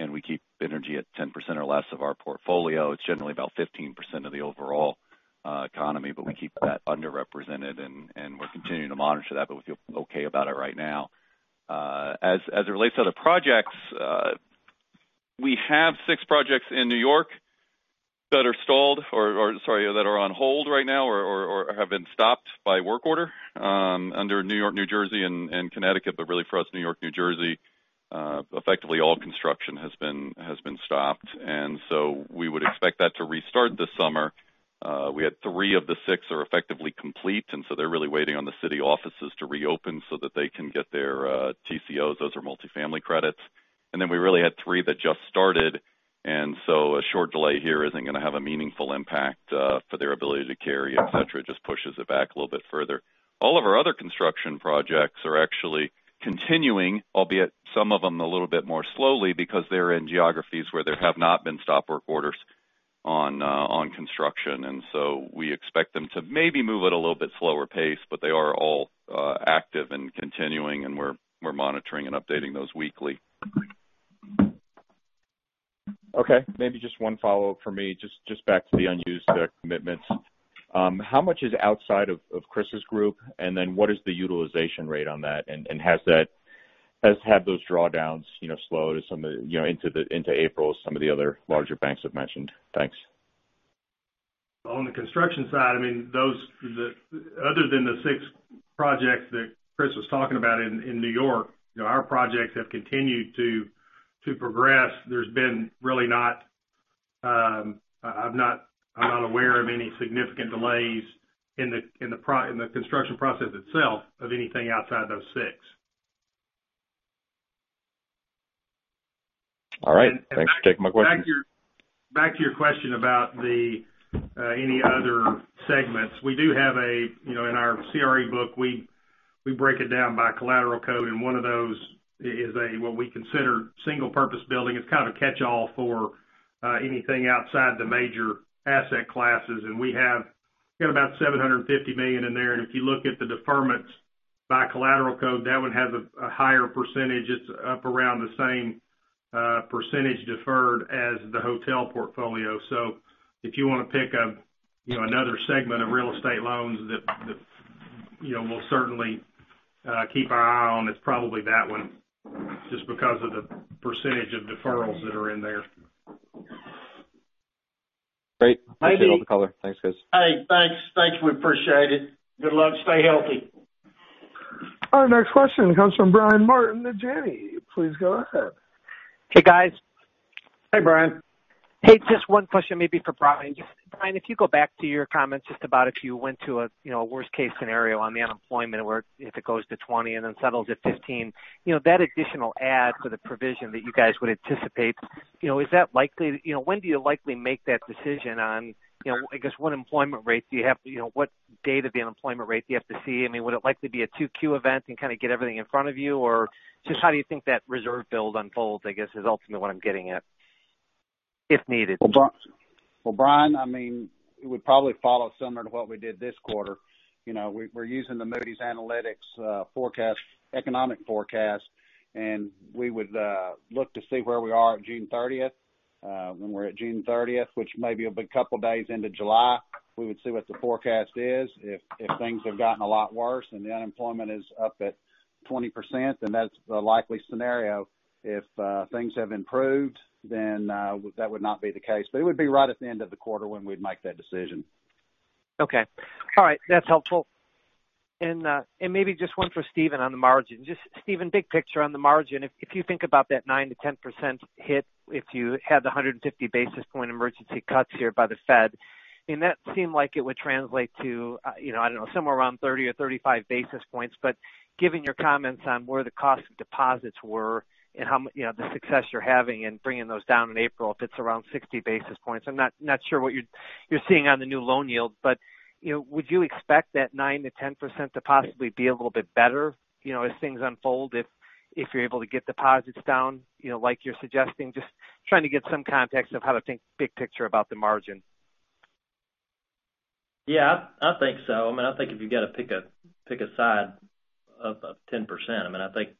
We keep energy at 10% or less of our portfolio. It's generally about 15% of the overall economy. We keep that underrepresented, and we're continuing to monitor that, but we feel okay about it right now. As it relates to other projects, we have six projects in New York that are stalled or on hold right now or have been stopped by work order under New York, New Jersey, and Connecticut. Really for us, New York, New Jersey, effectively all construction has been stopped. We would expect that to restart this summer. We had three of the six are effectively complete, they're really waiting on the city offices to reopen so that they can get their TCOs. Those are multifamily credits. We really had three that just started, a short delay here isn't going to have a meaningful impact for their ability to carry, etc. It just pushes it back a little bit further. All of our other construction projects are actually continuing, albeit some of them a little bit more slowly because they're in geographies where there have not been stop work orders on construction. We expect them to maybe move at a little bit slower pace, but they are all active and continuing, and we're monitoring and updating those weekly. Okay, maybe just one follow-up from me, just back to the unused commitments. How much is outside of Chris's group? Then what is the utilization rate on that? Has those drawdowns slowed into April as some of the other larger banks have mentioned? Thanks. On the construction side, other than the six projects that Chris was talking about in New York, our projects have continued to progress. I'm not aware of any significant delays in the construction process itself of anything outside those six. All right. Thanks. Taking my questions. Back to your question about any other segments. We do have in our CRE book, we break it down by collateral code, and one of those is what we consider single purpose building. It's kind of a catchall for anything outside the major asset classes, and we have about $750 million in there. If you look at the deferments by collateral code, that one has a higher percentage. It's up around the same percentage deferred as the hotel portfolio. If you want to pick another segment of real estate loans that we'll certainly keep our eye on, it's probably that one just because of the percentage of deferrals that are in there. Great. Appreciate all the color. Thanks, guys. Hey, thanks. We appreciate it. Good luck. Stay healthy. Our next question comes from Brian Martin at Janney. Please go ahead. Hey, guys. Hey, Brian. Hey, just one question maybe for Brian. Just Brian, if you go back to your comments just about if you went to a worst-case scenario on the unemployment where if it goes to 20% and then settles at 15%, that additional add for the provision that you guys would anticipate, when do you likely make that decision on, I guess what employment rate do you have, what data the unemployment rate you have to see? Would it likely be a 2Q event and kind of get everything in front of you? Just how do you think that reserve build unfolds, I guess, is ultimately what I'm getting at, if needed. Well, Brian, it would probably follow similar to what we did this quarter. We're using the Moody's Analytics economic forecast, and we would look to see where we are at June 30th. When we're at June 30th, which may be a couple of days into July, we would see what the forecast is. If things have gotten a lot worse and the unemployment is up at 20%, then that's the likely scenario. If things have improved, then that would not be the case, but it would be right at the end of the quarter when we'd make that decision. Okay. All right. That's helpful. Maybe just one for Stephen on the margin. Stephen, big picture on the margin, if you think about that 9-10% hit, if you had the 150 basis points emergency cuts here by the Fed, that seemed like it would translate to, I don't know, somewhere around 30 basis points or 35 basis points. Given your comments on where the cost of deposits were and the success you're having in bringing those down in April, if it's around 60 basis points, I'm not sure what you're seeing on the new loan yields. Would you expect that 9%-10% to possibly be a little bit better as things unfold if you're able to get deposits down like you're suggesting? Just trying to get some context of how to think big picture about the margin. Yeah, I think so. I think if you've got to pick a side of 10%, I think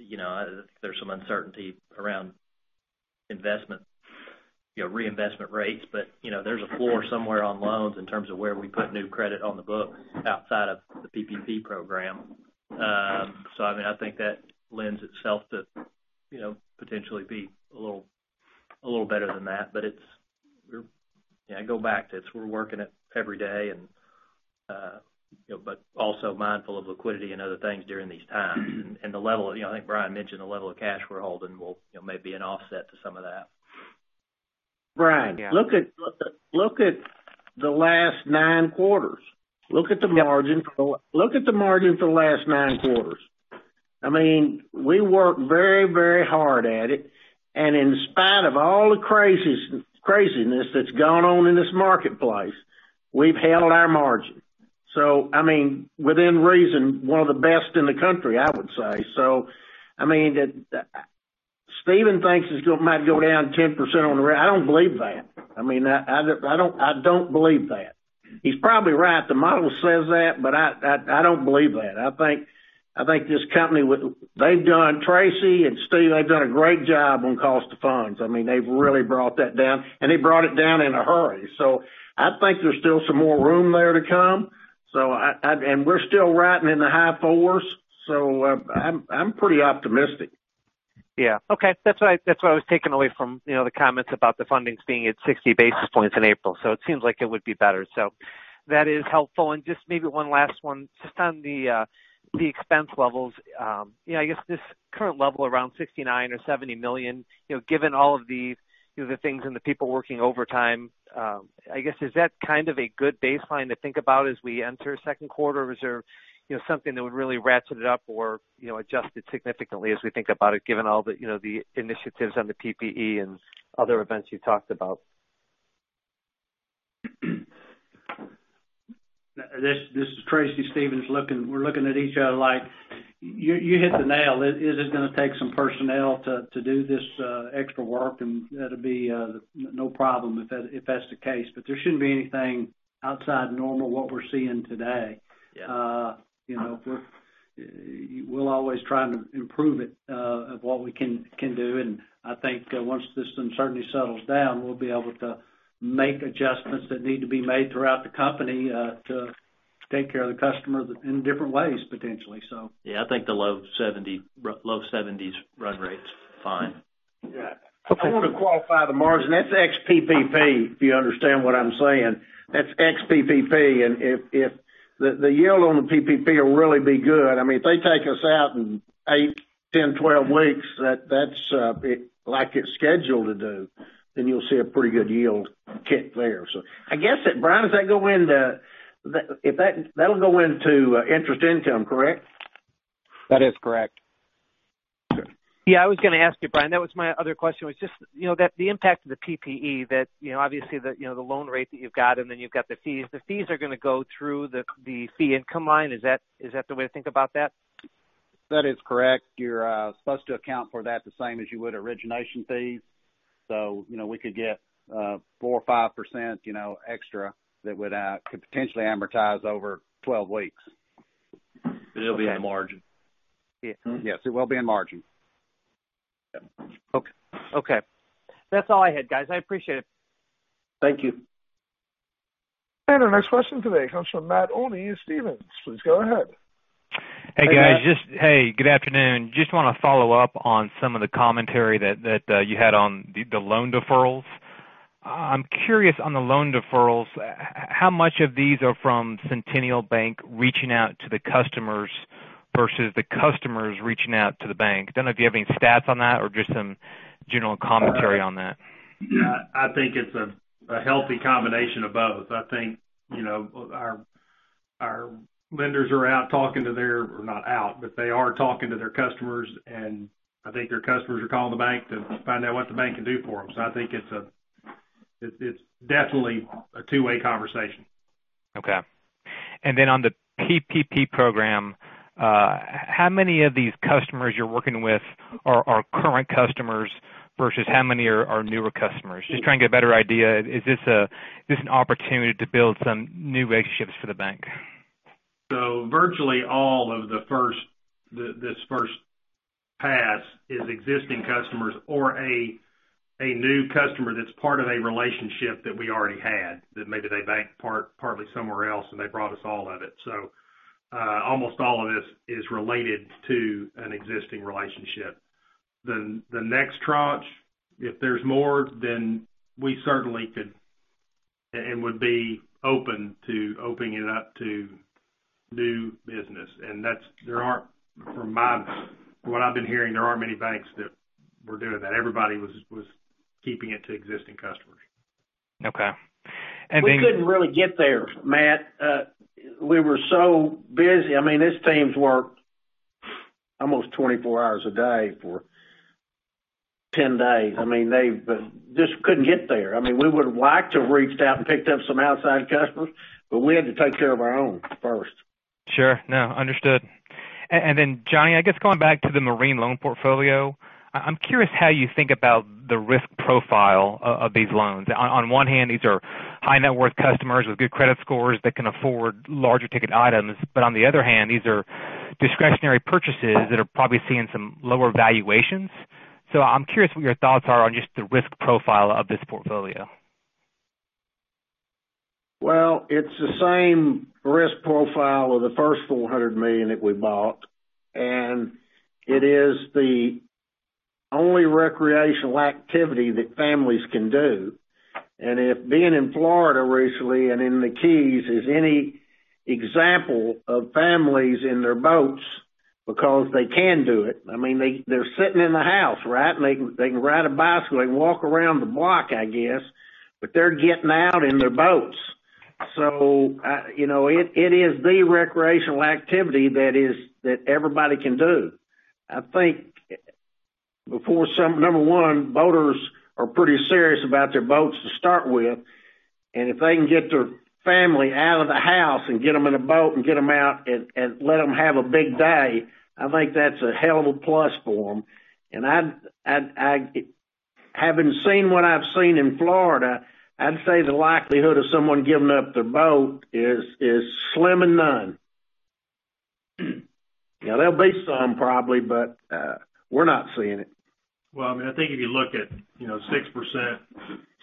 there's some uncertainty around reinvestment rates. There's a floor somewhere on loans in terms of where we put new credit on the book outside of the PPP program. I think that lends itself to potentially be a little better than that. I go back to it, we're working it every day, but also mindful of liquidity and other things during these times. I think Brian mentioned the level of cash we're holding will may be an offset to some of that. Brian, yeah. Look at the last nine quarters. Look at the margin for the last nine quarters. In spite of all the craziness that's gone on in this marketplace, we've held our margin. Within reason, one of the best in the country, I would say. Stephen thinks it might go down 10% on the rate. I don't believe that. I don't believe that. He's probably right. The model says that. I don't believe that. I think this company, Tracy and Stephen, they've done a great job on cost of funds. They've really brought that down, and they brought it down in a hurry. I think there's still some more room there to come. We're still riding in the high fours, so I'm pretty optimistic. Yeah. Okay. That's what I was taking away from the comments about the fundings being at 60 basis points in April. It seems like it would be better, so that is helpful. Just maybe one last one, just on the expense levels. I guess this current level around $69 million or $70 million, given all of the things and the people working overtime, I guess, is that kind of a good baseline to think about as we enter second quarter? Is there something that would really ratchet it up or adjust it significantly as we think about it, given all the initiatives on the PPP and other events you talked about? This is Tracy, Stephen look-- We're look-alike, you hit the nail. It is going to take some personnel to do this extra work, and that'll be no problem if that's the case. There shouldn't be anything outside normal what we're seeing today. Yeah. We'll always try and improve it, of what we can do, and I think once this uncertainty settles down, we'll be able to make adjustments that need to be made throughout the company, to take care of the customer in different ways, potentially. Yeah, I think the low 70s run rate's fine. Yeah. I want to qualify the margin. That's ex-PPP, if you understand what I'm saying. That's ex-PPP, and if the yield on the PPP will really be good, if they take us out in eight, 10, 12 weeks, like it's scheduled to do, then you'll see a pretty good yield kick there. I guess, Brian, that'll go into interest income, correct? That is correct. Good. Yeah, I was going to ask you, Brian, that was my other question, was just the impact of the PPP that obviously the loan rate that you've got and then you've got the fees. The fees are going to go through the fee income line. Is that the way to think about that? That is correct. You're supposed to account for that the same as you would origination fees. We could get 4% or 5% extra that could potentially amortize over 12 weeks. It'll be in margin? Yes, it will be in margin. Okay. That's all I had, guys. I appreciate it. Thank you. Our next question today comes from Matt Olney in Stephens. Please go ahead. Hey, guys. Hey, Matt. Hey, good afternoon. Just want to follow up on some of the commentary that you had on the loan deferrals. I'm curious on the loan deferrals, how much of these are from Centennial Bank reaching out to the customers versus the customers reaching out to the bank? I don't know if you have any stats on that or just some general commentary on that. I think it's a healthy combination of both. I think our lenders are out talking to their or not out, but they are talking to their customers, and I think their customers are calling the bank to find out what the bank can do for them. I think it's definitely a two-way conversation. Okay. On the PPP program, how many of these customers you're working with are current customers versus how many are newer customers? Just trying to get a better idea. Is this an opportunity to build some new relationships for the bank? Virtually all of this first pass is existing customers or a new customer that's part of a relationship that we already had, that maybe they bank partly somewhere else, and they brought us all of it. Almost all of this is related to an existing relationship. The next tranche, if there's more, we certainly could and would be open to opening it up to new business. From what I've been hearing, there aren't many banks that were doing that. Everybody was keeping it to existing customers. Okay. We couldn't really get there, Matt. We were so busy. These teams worked almost 24 hours a day for 10 days. They just couldn't get there. We would've liked to have reached out and picked up some outside customers, but we had to take care of our own first. Sure. No, understood. Johnny, I guess going back to the marine loan portfolio, I'm curious how you think about the risk profile of these loans. On one hand, these are high-net-worth customers with good credit scores that can afford larger ticket items. On the other hand, these are discretionary purchases that are probably seeing some lower valuations. I'm curious what your thoughts are on just the risk profile of this portfolio? Well, it's the same risk profile of the first $400 million that we bought, and it is the only recreational activity that families can do. If being in Florida recently and in the Keys is any example of families in their boats because they can do it, they're sitting in the house, right, and they can ride a bicycle, they can walk around the block, I guess, but they're getting out in their boats. It is the recreational activity that everybody can do. I think, number one, boaters are pretty serious about their boats to start with, and if they can get their family out of the house and get them in a boat and get them out and let them have a big day, I think that's a hell of a plus for them. Having seen what I've seen in Florida, I'd say the likelihood of someone giving up their boat is slim and none. There'll be some probably, but we're not seeing it. Well, I think if you look at 6%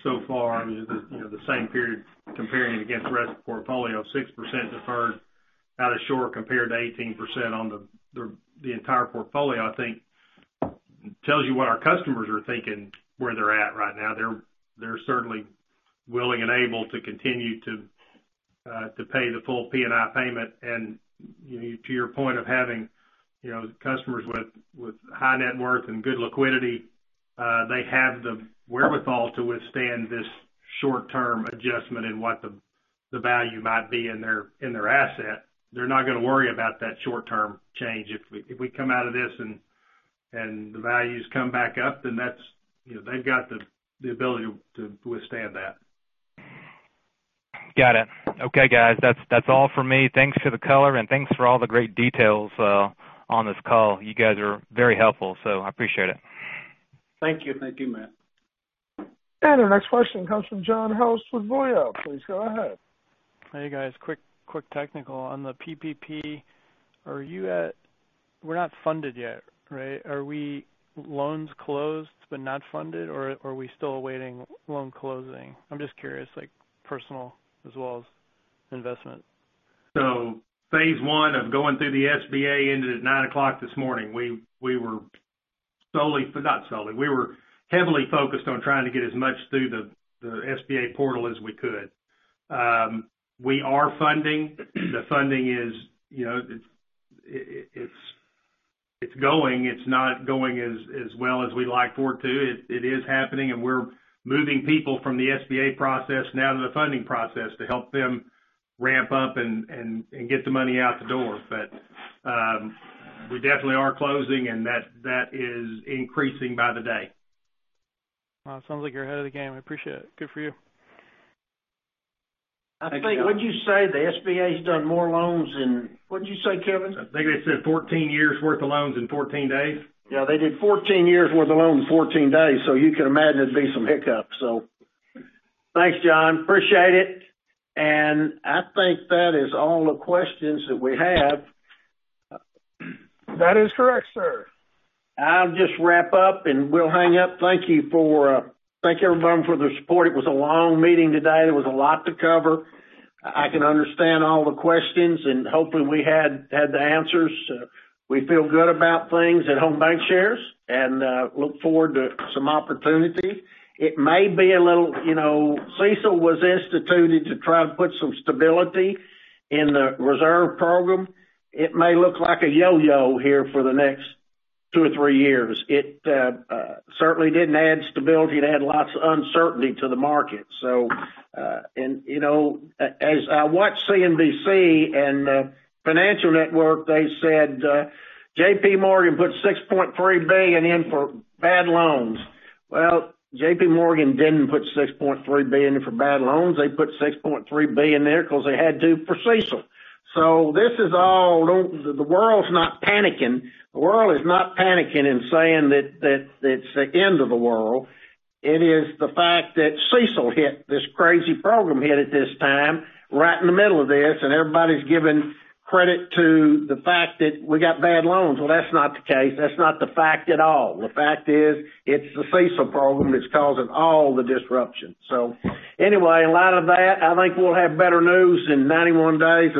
so far, the same period comparing it against the rest of the portfolio, 6% deferred out of Shore compared to 18% on the entire portfolio, I think tells you what our customers are thinking where they're at right now. They're certainly willing and able to continue to pay the full P&I payment. To your point of having customers with high net worth and good liquidity, they have the wherewithal to withstand this short-term adjustment in what the value might be in their asset. They're not going to worry about that short-term change. If we come out of this and the values come back up, they've got the ability to withstand that. Got it. Okay, guys, that's all from me. Thanks for the color and thanks for all the great details on this call. You guys are very helpful, so I appreciate it. Thank you. Thank you, Matt. Our next question comes from John House with Voya. Please go ahead. Hey, guys. Quick technical. On the PPP, we're not funded yet, right? Are we loans closed but not funded, or are we still awaiting loan closing? I'm just curious, like personal as well as investment. Phase I of going through the SBA ended at 9:00 this morning. We were heavily focused on trying to get as much through the SBA portal as we could. We are funding. The funding is going. It's not going as well as we like for it to. It is happening, and we're moving people from the SBA process now to the funding process to help them ramp up and get the money out the door. We definitely are closing, and that is increasing by the day. Well, it sounds like you're ahead of the game. I appreciate it. Good for you. I think, would you say the SBA's done more loans in What'd you say, Kevin? I think they said 14 years worth of loans in 14 days. They did 14 years worth of loans in 14 days, so you can imagine there'd be some hiccups. Thanks, John. Appreciate it. I think that is all the questions that we have. That is correct, sir. I'll just wrap up, and we'll hang up. Thank you, everyone, for the support. It was a long meeting today. There was a lot to cover. I can understand all the questions, and hopefully we had the answers. We feel good about things at Home Bancshares and look forward to some opportunity. CECL was instituted to try to put some stability in the reserve program. It may look like a yo-yo here for the next two or three years. It certainly didn't add stability. It added lots of uncertainty to the market. As I watch CNBC and the financial network, they said JPMorgan put $6.3 billion in for bad loans. Well, JPMorgan didn't put $6.3 billion in for bad loans. They put $6.3 billion in there because they had to for CECL. The world's not panicking. The world is not panicking and saying that it's the end of the world. It is the fact that CECL hit, this crazy program hit at this time, right in the middle of this. Everybody's giving credit to the fact that we got bad loans. Well, that's not the case. That's not the fact at all. The fact is it's the CECL program that's causing all the disruption. Anyway, in light of that, I think we'll have better news in 91 days.